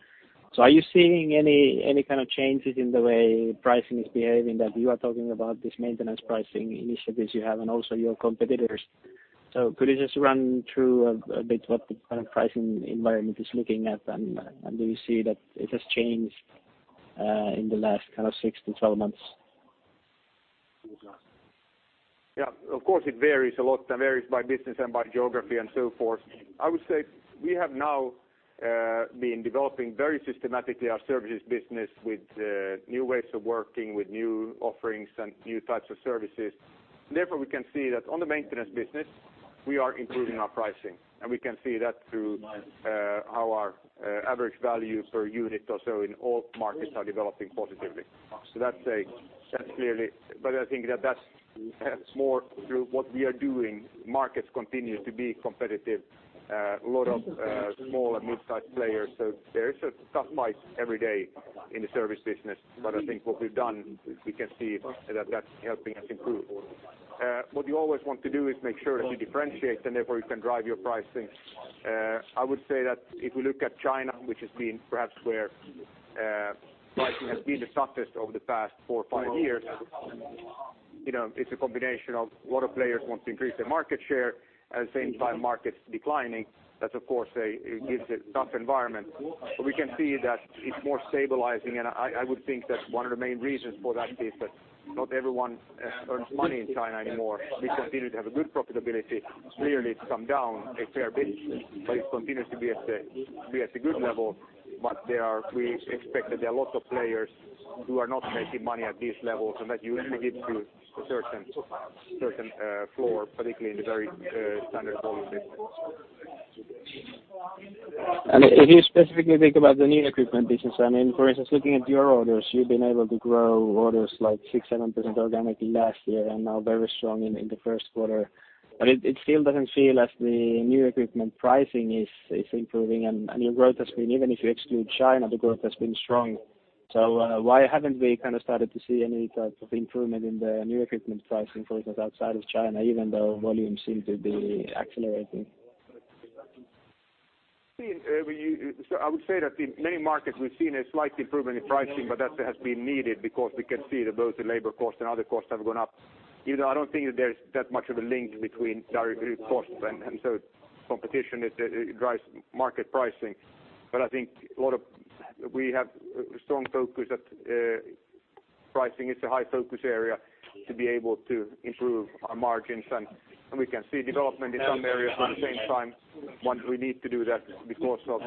H: Are you seeing any kind of changes in the way pricing is behaving, that you are talking about this maintenance pricing initiatives you have and also your competitors. Could you just run through a bit what the current pricing environment is looking at, and do you see that it has changed in the last 6-12 months?
B: Yeah. Of course, it varies a lot. It varies by business and by geography and so forth. I would say we have now been developing very systematically our services business with new ways of working, with new offerings and new types of services. Therefore, we can see that on the maintenance business, we are improving our pricing. We can see that through how our average value per unit or so in all markets are developing positively. I think that's more through what we are doing. Markets continue to be competitive. A lot of small and mid-size players. There is a tough fight every day in the service business. I think what we've done, we can see that that's helping us improve. What you always want to do is make sure that you differentiate, and therefore you can drive your pricing. I would say that if we look at China, which has been perhaps where pricing has been the toughest over the past four or five years, it's a combination of a lot of players want to increase their market share, at the same time market's declining. That, of course, gives a tough environment. We can see that it's more stabilizing, and I would think that one of the main reasons for that is that not everyone earns money in China anymore. We continue to have a good profitability. Clearly, it's come down a fair bit, but it continues to be at a good level. We expect that there are a lot of players who are not making money at these levels and that usually gives you a certain floor, particularly in the very standard volume business.
H: If you specifically think about the new equipment business, for instance, looking at your orders, you've been able to grow orders like 6%-7% organically last year and now very strong in the first quarter. It still doesn't feel as the new equipment pricing is improving and your growth has been, even if you exclude China, the growth has been strong. Why haven't we started to see any type of improvement in the new equipment pricing, for instance, outside of China, even though volumes seem to be accelerating?
B: I would say that in many markets we've seen a slight improvement in pricing, that has been needed because we can see that both the labor costs and other costs have gone up. I don't think that there's that much of a link between direct costs and competition, it drives market pricing. I think we have strong focus at pricing. It's a high focus area to be able to improve our margins, and we can see development in some areas at the same time. One, we need to do that because of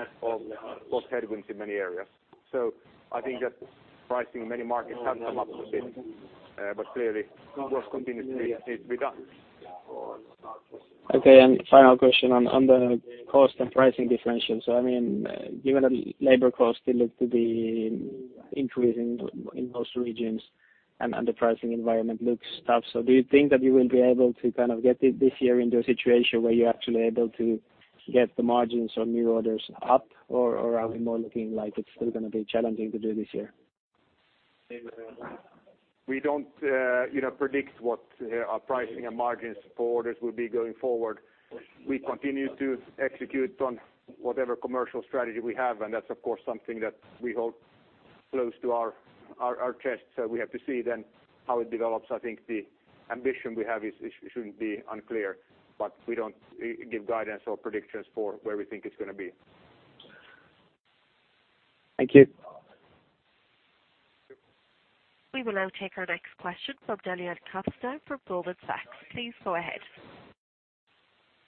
B: headwinds in many areas. I think that pricing in many markets has come up a bit. Clearly, work continues to be done.
H: Okay. Final question on the cost and pricing differential. Given that labor costs seem to be increasing in most regions and the pricing environment looks tough. Do you think that you will be able to get this year into a situation where you're actually able to get the margins on new orders up, or are we more looking like it's still going to be challenging to do this year?
B: We don't predict what our pricing and margins for orders will be going forward. We continue to execute on whatever commercial strategy we have, and that's of course something that we hold close to our chest. We have to see then how it develops. I think the ambition we have shouldn't be unclear, we don't give guidance or predictions for where we think it's going to be.
H: Thank you.
D: We will now take our next question from Daniela Costa for Goldman Sachs. Please go ahead.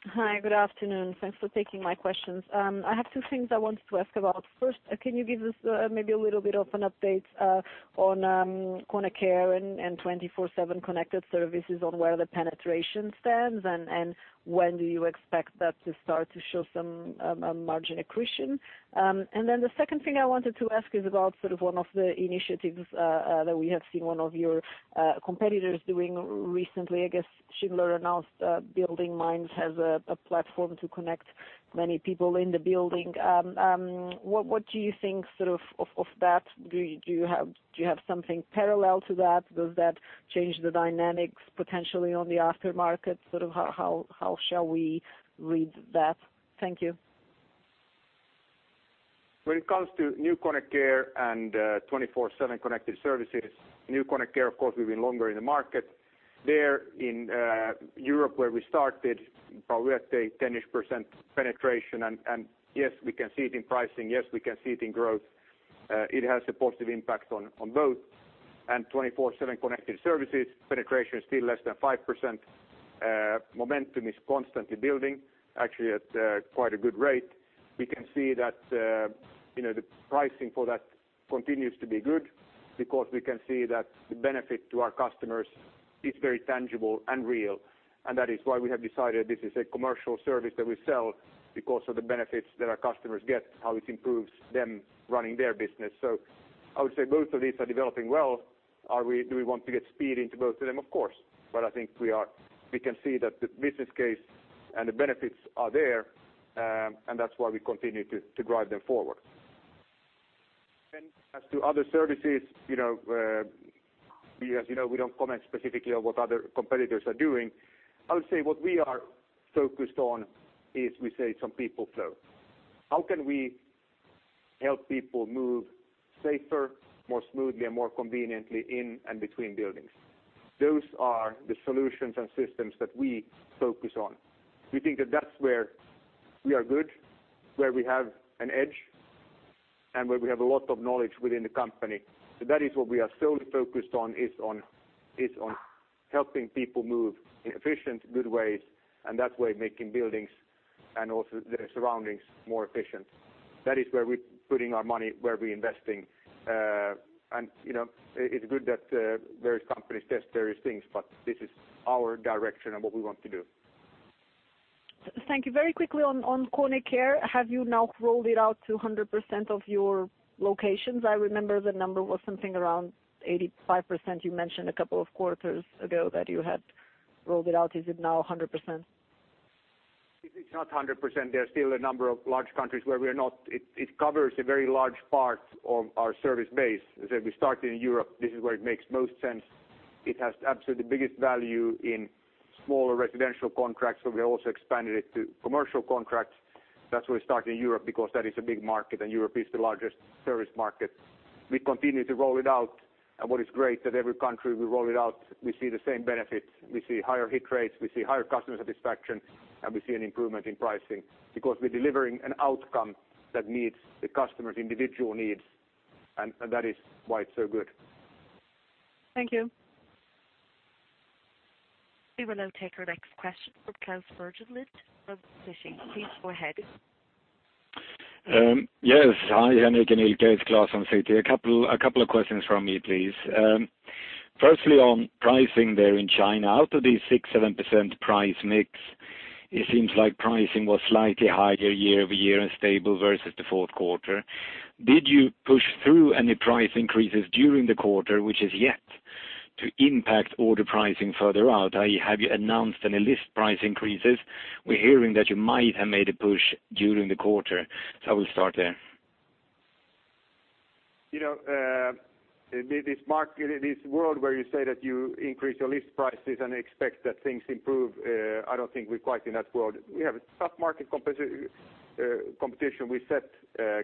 I: Hi. Good afternoon. Thanks for taking my questions. I have two things I wanted to ask about. First, can you give us maybe a little bit of an update on KONE Care and 24/7 Connected Services on where the penetration stands, and when do you expect that to start to show some margin accretion? Then the second thing I wanted to ask is about one of the initiatives that we have seen one of your competitors doing recently. I guess Schindler announced BuildingMinds has a platform to connect many people in the building. What do you think of that? Do you have something parallel to that? Does that change the dynamics potentially on the aftermarket? How shall we read that? Thank you.
B: When it comes to new KONE Care and 24/7 Connected Services, new KONE Care, of course, we've been longer in the market. There in Europe where we started, probably at a 10-ish% penetration. Yes, we can see it in pricing. Yes, we can see it in growth. It has a positive impact on both. 24/7 Connected Services penetration is still less than 5%. Momentum is constantly building, actually at quite a good rate. We can see that the pricing for that continues to be good because we can see that the benefit to our customers is very tangible and real. That is why we have decided this is a commercial service that we sell because of the benefits that our customers get, how it improves them running their business. I would say both of these are developing well. Do we want to get speed into both of them? Of course. I think we can see that the business case and the benefits are there, and that's why we continue to drive them forward. As to other services-As you know, we don't comment specifically on what other competitors are doing. I would say what we are focused on is we say some people flow. How can we help people move safer, more smoothly, and more conveniently in and between buildings? Those are the solutions and systems that we focus on. We think that's where we are good, where we have an edge, and where we have a lot of knowledge within the company. That is what we are solely focused on, is on helping people move in efficient, good ways, and that way making buildings and also their surroundings more efficient. That is where we're putting our money, where we're investing. It's good that various companies test various things, but this is our direction of what we want to do.
I: Thank you. Very quickly on KONE Care, have you now rolled it out to 100% of your locations? I remember the number was something around 85% you mentioned a couple of quarters ago that you had rolled it out. Is it now 100%?
B: It's not 100%. There's still a number of large countries where we are not. It covers a very large part of our service base. As I said, we started in Europe. This is where it makes most sense. It has absolutely the biggest value in smaller residential contracts. We have also expanded it to commercial contracts. That's why we started in Europe because that is a big market and Europe is the largest service market. We continue to roll it out, what is great that every country we roll it out, we see the same benefits. We see higher hit rates, we see higher customer satisfaction, and we see an improvement in pricing because we're delivering an outcome that meets the customer's individual needs. That is why it's so good.
I: Thank you.
D: We will now take our next question from Klas Bergelind from Citi. Please go ahead.
J: Yes. Hi, Henrik and Ilkka. It's Klas from Citi. A couple of questions from me, please. Firstly, on pricing there in China. Out of the six, seven% price mix, it seems like pricing was slightly higher year-over-year and stable versus the fourth quarter. Did you push through any price increases during the quarter, which is yet to impact order pricing further out? Have you announced any list price increases? We're hearing that you might have made a push during the quarter. I will start there.
B: This world where you say that you increase your list prices and expect that things improve, I don't think we're quite in that world. We have a tough market competition. We set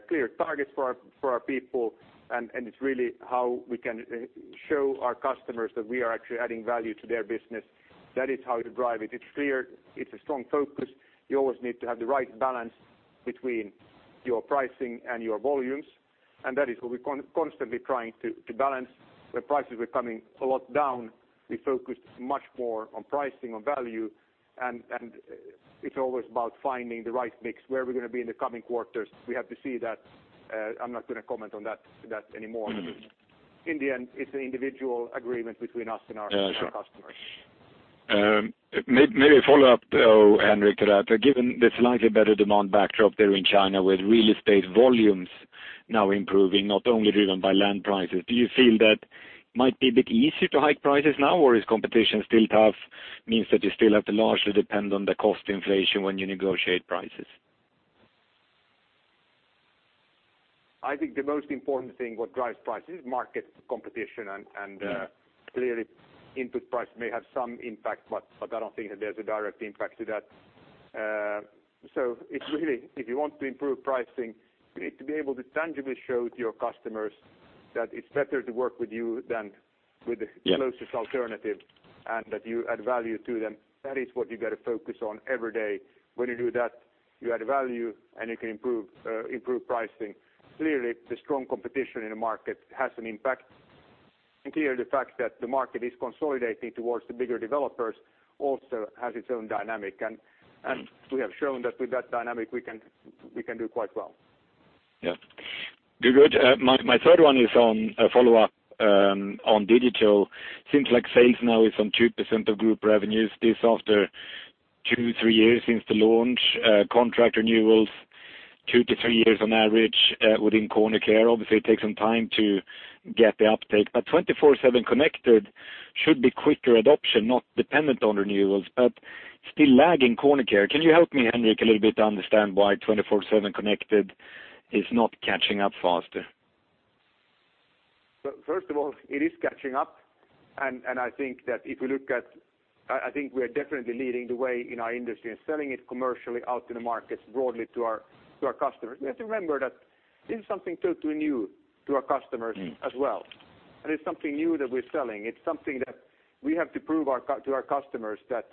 B: clear targets for our people, and it's really how we can show our customers that we are actually adding value to their business. That is how you drive it. It's clear. It's a strong focus. You always need to have the right balance between your pricing and your volumes. That is what we're constantly trying to balance. Where prices were coming a lot down, we focused much more on pricing, on value, and it's always about finding the right mix. Where we're going to be in the coming quarters, we have to see that. I'm not going to comment on that anymore. In the end, it's an individual agreement between us and our customers.
J: Sure. Maybe a follow-up, though, Henrik, to that. Given the slightly better demand backdrop there in China with real estate volumes now improving, not only driven by land prices, do you feel that might be a bit easier to hike prices now, or is competition still tough, means that you still have to largely depend on the cost inflation when you negotiate prices?
B: I think the most important thing what drives prices is market competition.
J: Yeah
B: Input price may have some impact, but I don't think that there's a direct impact to that. It's really, if you want to improve pricing, you need to be able to tangibly show to your customers that it's better to work with you than with the closest alternative.
J: Yeah
B: That you add value to them. That is what you got to focus on every day. When you do that, you add value, and you can improve pricing. Clearly, the strong competition in the market has an impact. Clearly, the fact that the market is consolidating towards the bigger developers also has its own dynamic. We have shown that with that dynamic, we can do quite well.
J: Yeah. Good. My third one is on a follow-up on digital. Seems like [safe] now is on 2% of group revenues. This after two, three years since the launch. Contract renewals, two to three years on average within KONE Care. Obviously, it takes some time to get the uptake. KONE 24/7 Connected should be quicker adoption, not dependent on renewals. Still lagging KONE Care. Can you help me, Henrik, a little bit to understand why 24/7 Connected is not catching up faster?
B: First of all, it is catching up, and I think we are definitely leading the way in our industry and selling it commercially out to the markets broadly to our customers. We have to remember that this is something totally new to our customers as well. It's something new that we're selling. It's something that we have to prove to our customers that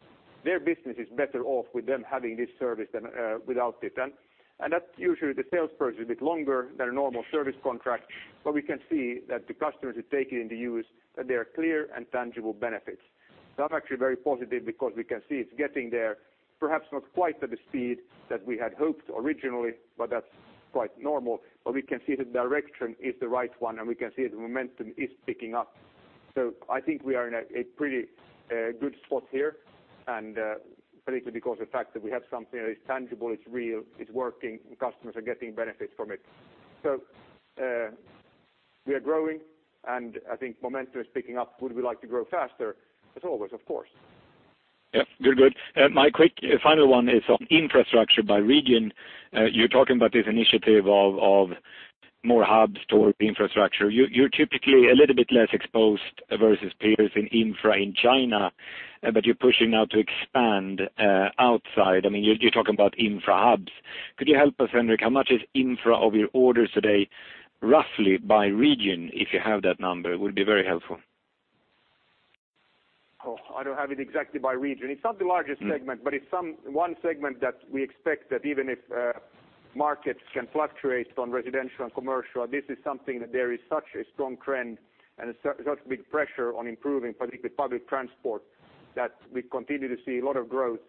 B: their business is better off with them having this service than without it. That's usually the sales process is a bit longer than a normal service contract, but we can see that the customers who take it into use, that there are clear and tangible benefits. I'm actually very positive because we can see it's getting there, perhaps not quite at the speed that we had hoped originally, but that's quite normal. We can see the direction is the right one, and we can see the momentum is picking up. I think we are in a pretty good spot here, and particularly because of the fact that we have something that is tangible, it's real, it's working, customers are getting benefits from it. We are growing, and I think momentum is picking up. Would we like to grow faster? As always, of course.
J: Yeah. Good. My quick final one is on infrastructure by region. You are talking about this initiative of more hubs toward infrastructure. You are typically a little bit less exposed versus peers in infra in China, but you are pushing now to expand outside. You are talking about infra hubs. Could you help us, Henrik, how much is infra of your orders today, roughly by region, if you have that number? It would be very helpful.
B: I don't have it exactly by region. It's not the largest segment, but it's one segment that we expect that even if markets can fluctuate on residential and commercial, this is something that there is such a strong trend and such big pressure on improving, particularly public transport, that we continue to see a lot of growth.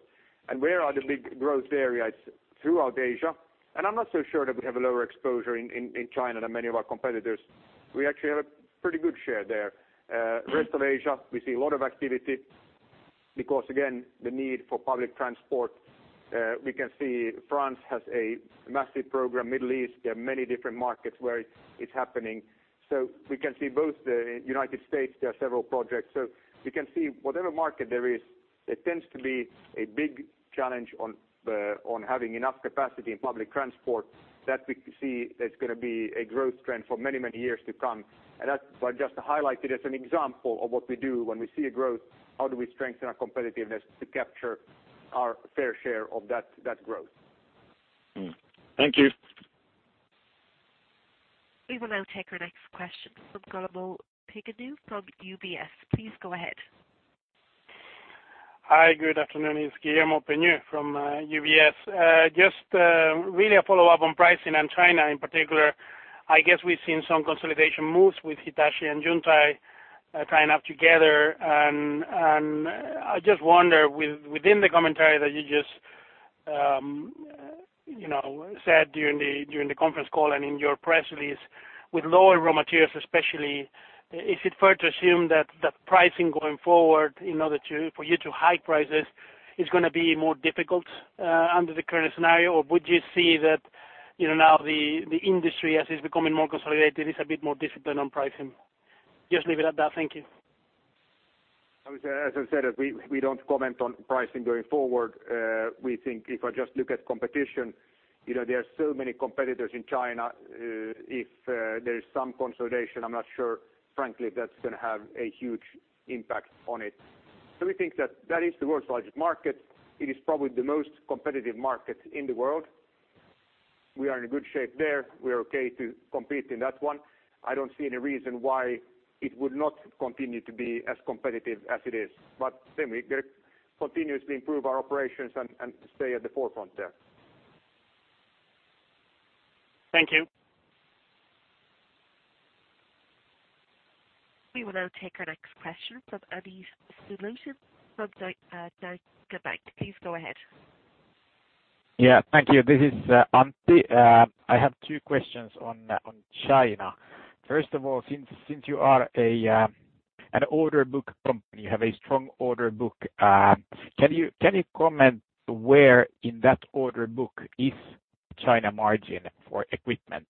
B: Where are the big growth areas? Throughout Asia. I'm not so sure that we have a lower exposure in China than many of our competitors. We actually have a pretty good share there. Rest of Asia, we see a lot of activity because, again, the need for public transport. We can see France has a massive program. Middle East, there are many different markets where it's happening. We can see both the United States, there are several projects. You can see whatever market there is, it tends to be a big challenge on having enough capacity in public transport that we see there's going to be a growth trend for many years to come. That's why just to highlight it as an example of what we do when we see a growth. How do we strengthen our competitiveness to capture our fair share of that growth?
J: Thank you.
D: We will now take our next question from Guillermo Peigneux-Lojo from UBS. Please go ahead.
K: Hi, good afternoon. It's Guillermo Peigneux-Lojo from UBS. Just really a follow-up on pricing and China in particular. I guess we've seen some consolidation moves with Hitachi and Yungtay tying up together. I just wonder, within the commentary that you just said during the conference call and in your press release with lower raw materials especially, is it fair to assume that pricing going forward in order for you to hike prices is going to be more difficult under the current scenario? Would you see that now the industry, as it's becoming more consolidated, is a bit more disciplined on pricing? Just leave it at that. Thank you.
B: As I said, we don't comment on pricing going forward. We think if I just look at competition, there are so many competitors in China. If there is some consolidation, I'm not sure, frankly, that's going to have a huge impact on it. We think that is the world's largest market. It is probably the most competitive market in the world. We are in a good shape there. We are okay to compete in that one. I don't see any reason why it would not continue to be as competitive as it is. We continuously improve our operations and stay at the forefront there.
K: Thank you.
D: We will now take our next question from Antti Suttelin from Danske Bank. Please go ahead.
L: Yeah. Thank you. This is Antti. I have two questions on China. First of all, since you are an order book company, you have a strong order book. Can you comment where in that order book is China margin for equipment?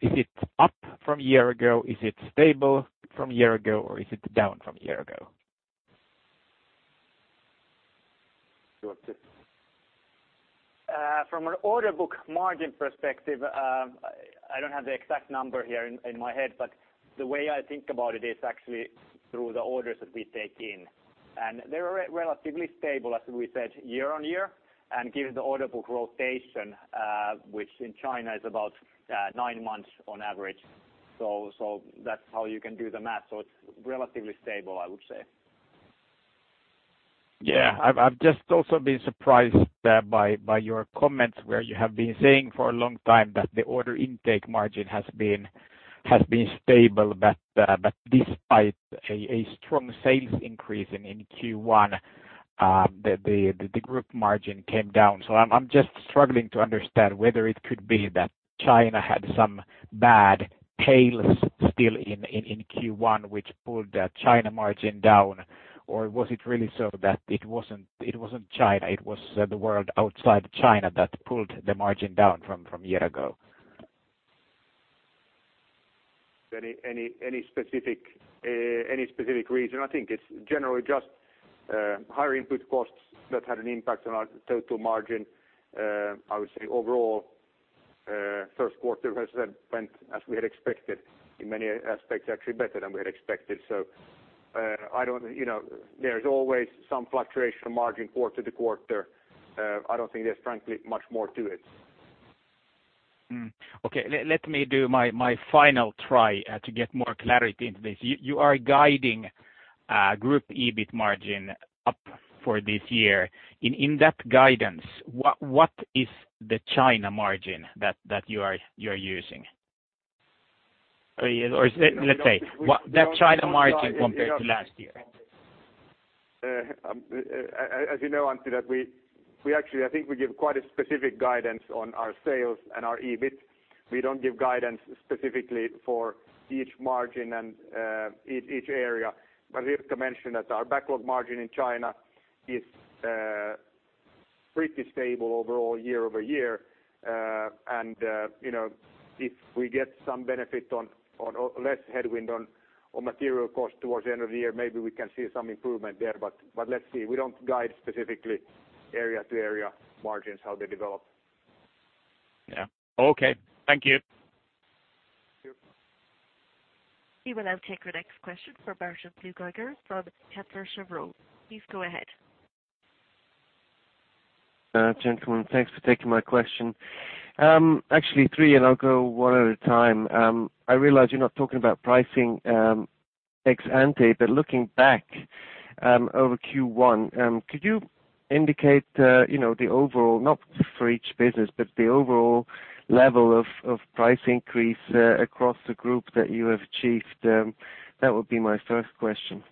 L: Is it up from a year ago? Is it stable from a year ago? Is it down from a year ago?
M: Juha.
C: From an order book margin perspective, I don't have the exact number here in my head, but the way I think about it is actually through the orders that we take in. They're relatively stable, as we said, year on year. Given the order book rotation, which in China is about nine months on average. That's how you can do the math. It's relatively stable, I would say.
L: Yeah. I've just also been surprised by your comments where you have been saying for a long time that the order intake margin has been stable. Despite a strong sales increase in Q1, the group margin came down. I'm just struggling to understand whether it could be that China had some bad tails still in Q1, which pulled the China margin down, or was it really so that it wasn't China, it was the world outside China that pulled the margin down from a year ago?
B: Any specific reason? I think it's generally just higher input costs that had an impact on our total margin. I would say overall, first quarter has went as we had expected, in many aspects, actually better than we had expected. There's always some fluctuation margin quarter-to-quarter. I don't think there's frankly much more to it.
L: Okay. Let me do my final try to get more clarity into this. You are guiding group EBIT margin up for this year. In that guidance, what is the China margin that you're using? Or let's say, that China margin compared to last year.
B: As you know, Antti, that we actually, I think we give quite a specific guidance on our sales and our EBIT. We don't give guidance specifically for each margin and each area. Ilkka mentioned that our backlog margin in China is pretty stable overall year-over-year. If we get some benefit on less headwind on material cost towards the end of the year, maybe we can see some improvement there. Let's see. We don't guide specifically area-to-area margins, how they develop.
L: Yeah. Okay. Thank you.
B: Sure.
D: We will now take our next question from Bartek Blugajzer from Pekao. Please go ahead.
N: Gentlemen, thanks for taking my question. Actually three. I'll go one at a time. I realize you're not talking about pricing ex-ante, but looking back over Q1, could you indicate the overall, not for each business, but the overall level of price increase across the group that you have achieved? That would be my first question.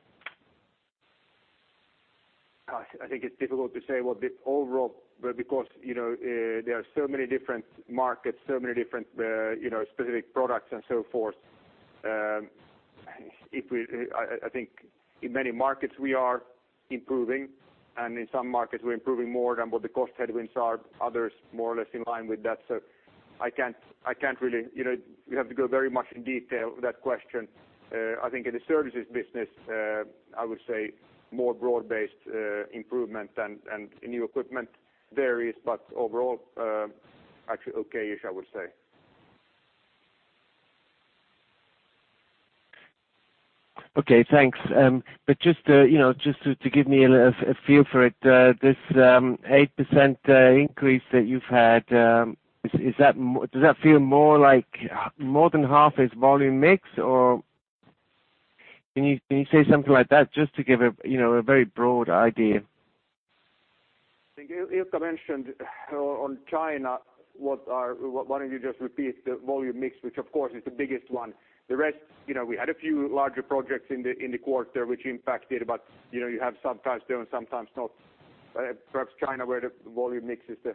B: I think it's difficult to say what the overall, because there are so many different markets, so many different specific products and so forth. I think in many markets we are improving. In some markets we're improving more than what the cost headwinds are, others more or less in line with that. I can't really. We have to go very much in detail that question. I think in the services business, I would say more broad-based improvement and new equipment varies. Overall, actually okay-ish, I would say.
N: Okay, thanks. Just to give me a feel for it, this 8% increase that you've had, does that feel more like more than half is volume mix, or can you say something like that just to give a very broad idea?
B: I think Ilkka mentioned on China, why don't you just repeat the volume mix, which of course is the biggest one. The rest, we had a few larger projects in the quarter which impacted, but you have sometimes doing, sometimes not. Perhaps China, where the volume mix is the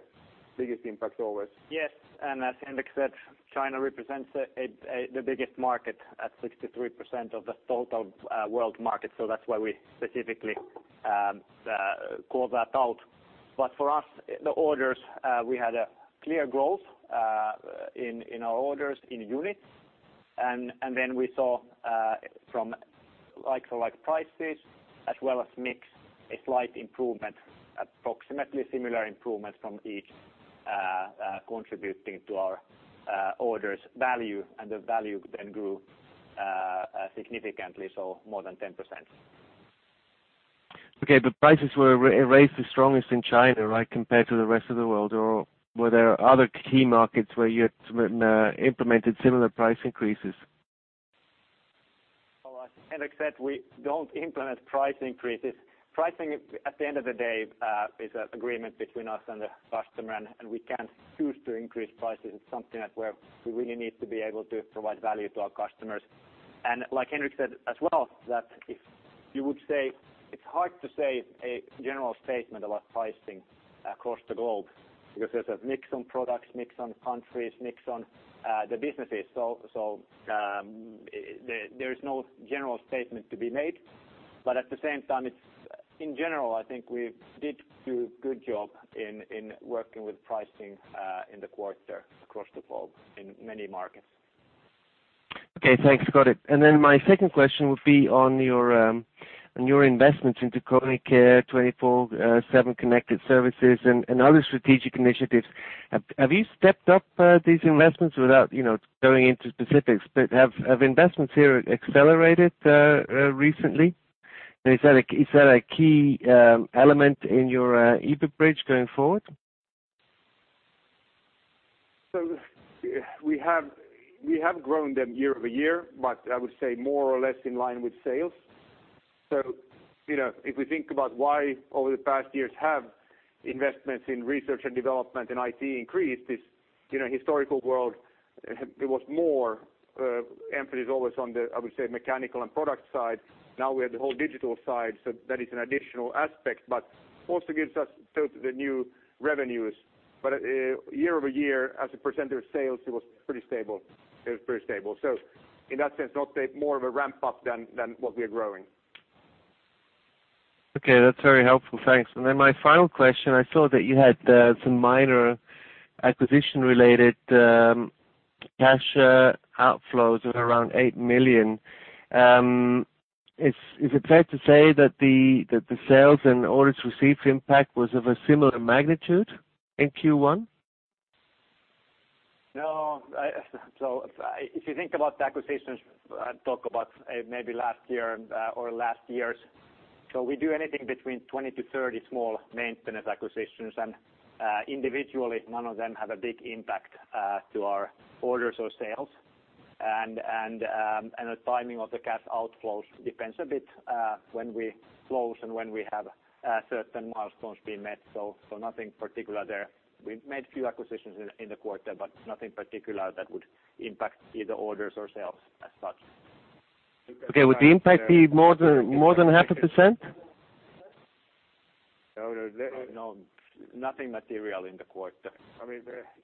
B: biggest impact always.
C: Yes. As Henrik said, China represents the biggest market at 63% of the total world market. That's why we specifically call that out. For us, the orders, we had a clear growth in our orders in units. Then we saw from like-for-like prices as well as mix, a slight improvement, approximately similar improvement from each contributing to our orders value. The value then grew significantly, more than 10%.
N: Okay. The prices were raised the strongest in China, right? Compared to the rest of the world, or were there other key markets where you had implemented similar price increases?
C: As Henrik said, we don't implement price increases. Pricing, at the end of the day, is an agreement between us and the customer, and we can't choose to increase prices. It's something that we really need to be able to provide value to our customers. Like Henrik said as well, that if you would say, it's hard to say a general statement about pricing across the globe because there's a mix on products, mix on countries, mix on the businesses. There is no general statement to be made. At the same time, in general, I think we did do a good job in working with pricing in the quarter across the globe in many markets.
N: Okay, thanks. Got it. My second question would be on your investments into KONE Care 24/7 Connected Services and other strategic initiatives. Have you stepped up these investments without going into specifics, but have investments here accelerated recently? Is that a key element in your EBIT bridge going forward?
B: We have grown them year-over-year, but I would say more or less in line with sales. If we think about why over the past years have investments in research and development and IT increased is, historical world, there was more emphasis always on the, I would say, mechanical and product side. Now we have the whole digital side, so that is an additional aspect, but also gives us the new revenues. Year-over-year as a % of sales, it was pretty stable. In that sense, not more of a ramp-up than what we are growing.
N: Okay, that's very helpful. Thanks. My final question, I saw that you had some minor acquisition-related cash outflows of around 8 million. Is it fair to say that the sales and orders received impact was of a similar magnitude in Q1?
C: No. If you think about the acquisitions, talk about maybe last year or last years. We do anything between 20 to 30 small maintenance acquisitions, individually none of them have a big impact to our orders or sales. The timing of the cash outflows depends a bit when we close and when we have certain milestones being met. Nothing particular there. We've made a few acquisitions in the quarter, nothing particular that would impact either orders or sales as such.
N: Okay. Would the impact be more than half a percent?
C: No, nothing material in the quarter.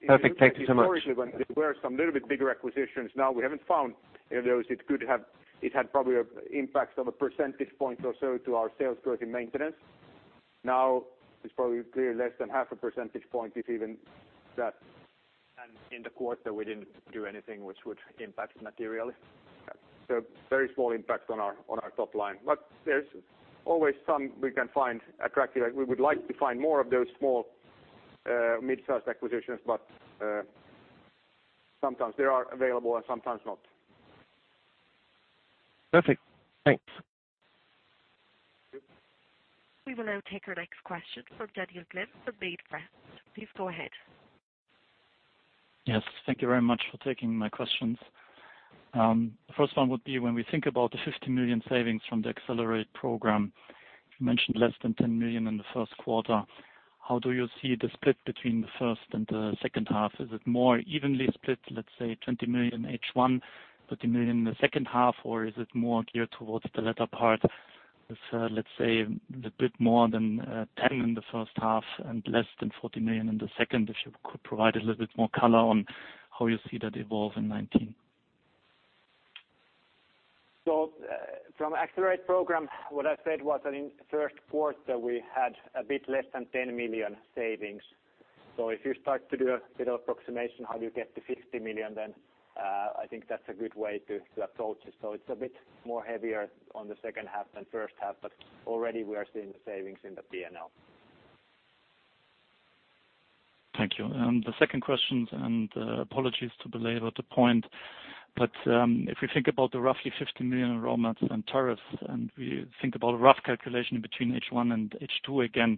N: Perfect. Thank you so much.
B: Historically, when there were some little bit bigger acquisitions. We haven't found any of those. It had probably impacts of a percentage point or so to our sales growth in maintenance. It's probably clear less than half a percentage point, if even that
C: In the quarter we didn't do anything which would impact materially.
B: Very small impact on our top line, but there's always some we can find attractive. We would like to find more of those small mid-size acquisitions, but sometimes they are available and sometimes not.
N: Perfect. Thanks.
D: We will now take our next question from Daniel Glynn from Baird. Please go ahead.
O: Yes. Thank you very much for taking my questions. First one would be, when we think about the 50 million savings from the Accelerate program, you mentioned less than 10 million in the first quarter. How do you see the split between the first and the second half? Is it more evenly split, let's say 20 million H1, 30 million in the second half? Or is it more geared towards the latter part with, let's say, a bit more than 10 million in the first half and less than 40 million in the second? If you could provide a little bit more color on how you see that evolve in 2019.
C: From Accelerate program, what I said was that in the first quarter we had a bit less than 10 million savings. If you start to do a bit of approximation, how do you get to 50 million then? I think that's a good way to approach it. It's a bit more heavier on the second half than first half, but already we are seeing the savings in the P&L.
O: Thank you. The second question, apologies to belabor the point, but if we think about the roughly 50 million raw materials and tariffs, we think about a rough calculation between H1 and H2 again,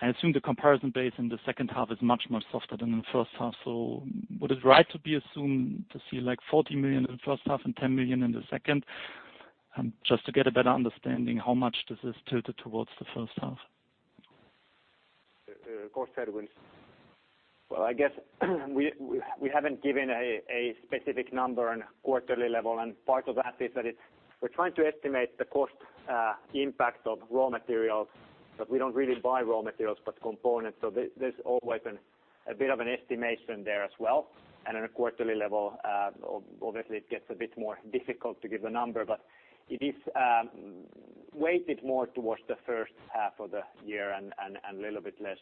O: I assume the comparison base in the second half is much more softer than in the first half. Would it right to be assumed to see like 40 million in the first half and 10 million in the second? Just to get a better understanding, how much this is tilted towards the first half.
B: Cost headwinds.
C: Well, I guess we haven't given a specific number on a quarterly level. Part of that is that we're trying to estimate the cost impact of raw materials, but we don't really buy raw materials but components. There's always a bit of an estimation there as well. On a quarterly level, obviously it gets a bit more difficult to give a number, but it is weighted more towards the first half of the year and a little bit less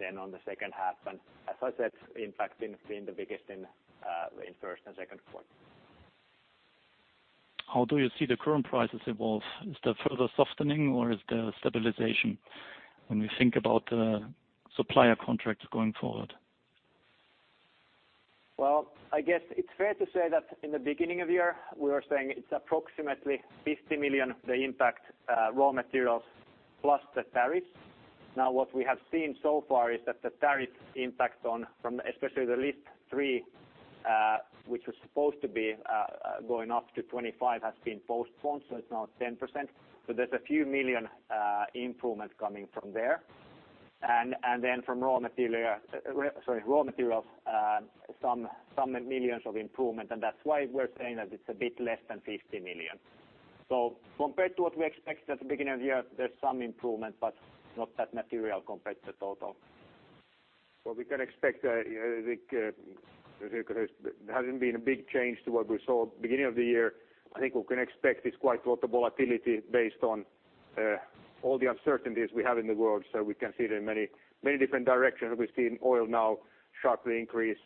C: than on the second half. As I said, impact in being the biggest in first and second quarter.
O: How do you see the current prices evolve? Is there further softening or is there stabilization when we think about the supplier contracts going forward?
C: Well, I guess it's fair to say that in the beginning of the year, we were saying it's approximately 50 million, the impact raw materials plus the tariffs. What we have seen so far is that the tariff impact on from especially the list three, which was supposed to be going up to 25%, has been postponed, so it's now 10%. There's a few million EUR improvements coming from there. Then from raw materials, some millions of EUR improvement, and that's why we're saying that it's a bit less than 50 million. Compared to what we expected at the beginning of the year, there's some improvement, but not that material compared to total.
B: We can expect, Ilkka, there hasn't been a big change to what we saw beginning of the year. I think we can expect is quite a lot of volatility based on all the uncertainties we have in the world. We can see it in many different directions. We've seen oil now sharply increase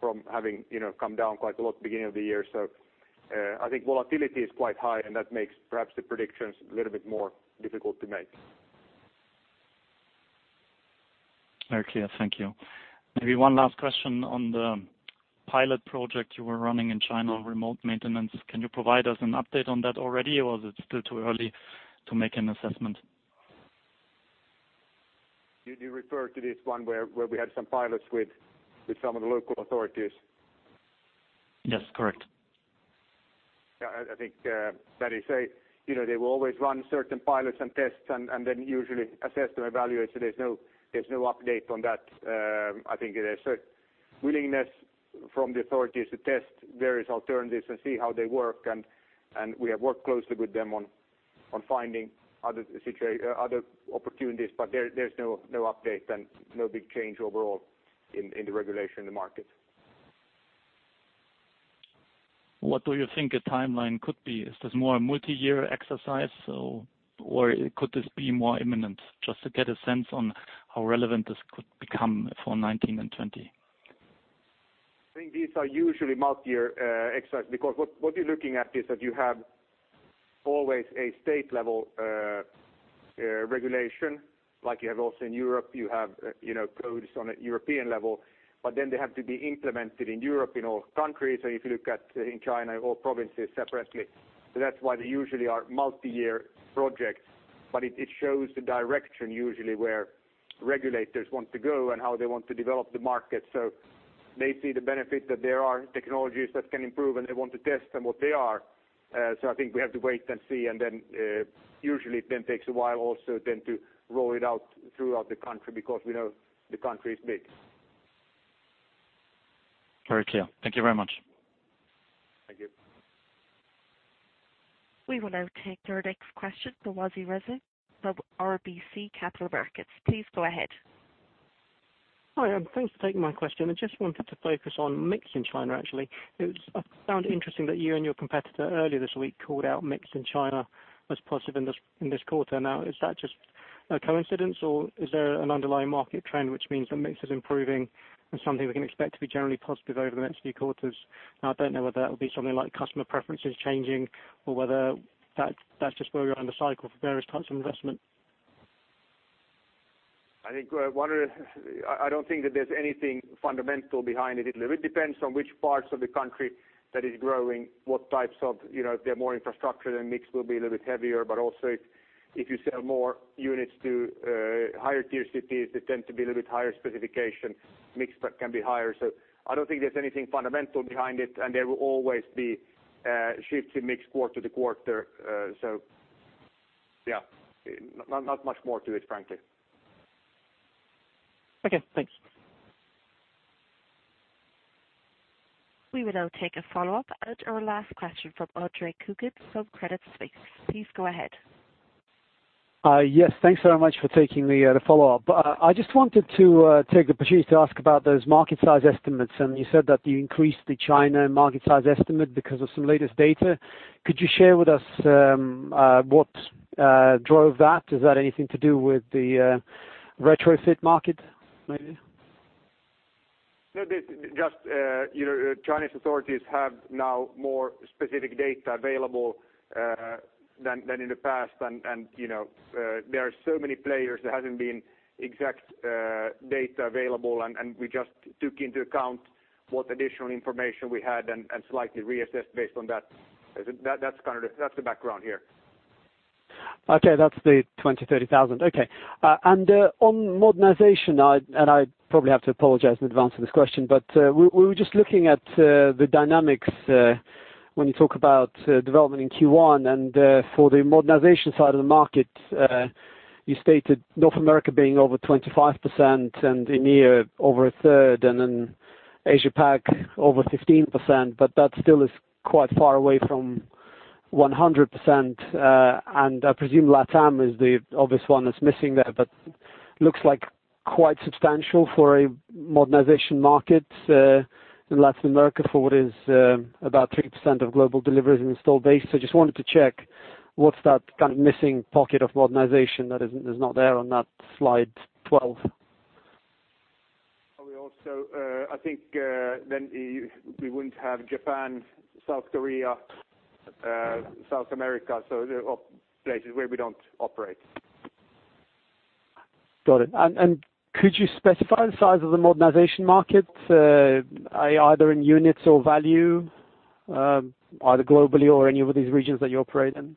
B: from having come down quite a lot at the beginning of the year. I think volatility is quite high, and that makes perhaps the predictions a little bit more difficult to make.
O: Very clear. Thank you. Maybe one last question on the pilot project you were running in China on remote maintenance. Can you provide us an update on that already, or is it still too early to make an assessment?
B: You refer to this one where we had some pilots with some of the local authorities?
O: Yes, correct.
B: Yeah, I think that is, they will always run certain pilots and tests and then usually assess them, evaluate. There's no update on that. I think there's a willingness from the authorities to test various alternatives and see how they work, and we have worked closely with them on finding other opportunities. There's no update and no big change overall in the regulation in the market.
O: What do you think a timeline could be? Is this more a multi-year exercise or could this be more imminent? Just to get a sense on how relevant this could become for 2019 and 2020.
B: I think these are usually multi-year exercise because what you're looking at is that you have always a state level regulation, like you have also in Europe, you have codes on a European level. Then they have to be implemented in Europe, in all countries, or if you look at in China, all provinces separately. That's why they usually are multi-year projects. It shows the direction usually where regulators want to go and how they want to develop the market. They see the benefit that there are technologies that can improve, and they want to test them, what they are. I think we have to wait and see and then usually it then takes a while also then to roll it out throughout the country because we know the country is big.
O: Very clear. Thank you very much.
B: Thank you.
D: We will now take your next question from Wajid Reza of RBC Capital Markets. Please go ahead.
P: Hi. Thanks for taking my question. I just wanted to focus on mix in China actually. I found interesting that you and your competitor earlier this week called out mix in China as positive in this quarter. Now, is that just a coincidence, or is there an underlying market trend which means the mix is improving and something we can expect to be generally positive over the next few quarters? I don't know whether that would be something like customer preferences changing or whether that's just where we are in the cycle for various types of investment.
B: I don't think that there's anything fundamental behind it. It really depends on which parts of the country that is growing, what types. If they're more infrastructure, then mix will be a little bit heavier. Also, if you sell more units to higher tier cities, they tend to be a little bit higher specification, mix can be higher. I don't think there's anything fundamental behind it, and there will always be shifts in mix quarter to quarter. Yeah, not much more to it, frankly.
P: Okay, thanks.
D: We will now take a follow-up and our last question from Andre Kukhnin, Credit Suisse. Please go ahead.
E: Thanks very much for taking the follow-up. I just wanted to take the opportunity to ask about those market size estimates. You said that you increased the China market size estimate because of some latest data. Could you share with us what drove that? Is that anything to do with the retrofit market maybe?
B: Just Chinese authorities have now more specific data available than in the past. There are so many players, there hasn't been exact data available. We just took into account what additional information we had and slightly reassessed based on that. That's the background here.
E: Okay, that's the 20,000, 30,000. Okay. On modernization, I probably have to apologize in advance for this question, we were just looking at the dynamics when you talk about development in Q1 and for the modernization side of the market. You stated North America being over 25% and EMEA over a third, Asia Pac over 15%, that still is quite far away from 100%. I presume LATAM is the obvious one that's missing there, looks like quite substantial for a modernization market in Latin America for what is about 3% of global deliveries and installed base. Just wanted to check what's that kind of missing pocket of modernization that is not there on that slide 12?
B: I think then we wouldn't have Japan, South Korea, South America. Places where we don't operate.
E: Got it. Could you specify the size of the modernization market, either in units or value, either globally or any of these regions that you operate in?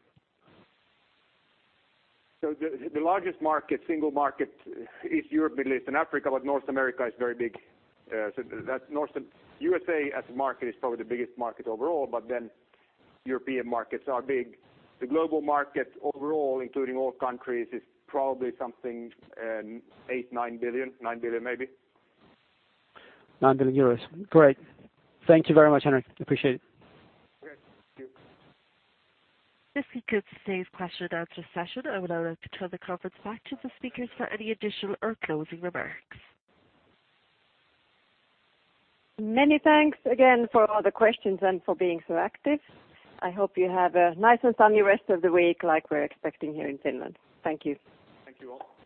B: The largest single market, is Europe, Middle East and Africa, North America is very big. USA as a market is probably the biggest market overall, European markets are big. The global market overall, including all countries, is probably something, 8 billion, 9 billion maybe.
E: 9 billion euros. Great. Thank you very much, Henrik. Appreciate it.
B: Great. Thank you.
D: This concludes today's question and answer session. I would now like to turn the conference back to the speakers for any additional or closing remarks.
A: Many thanks again for all the questions and for being so active. I hope you have a nice and sunny rest of the week like we're expecting here in Finland. Thank you.
B: Thank you all.
P: Thank you.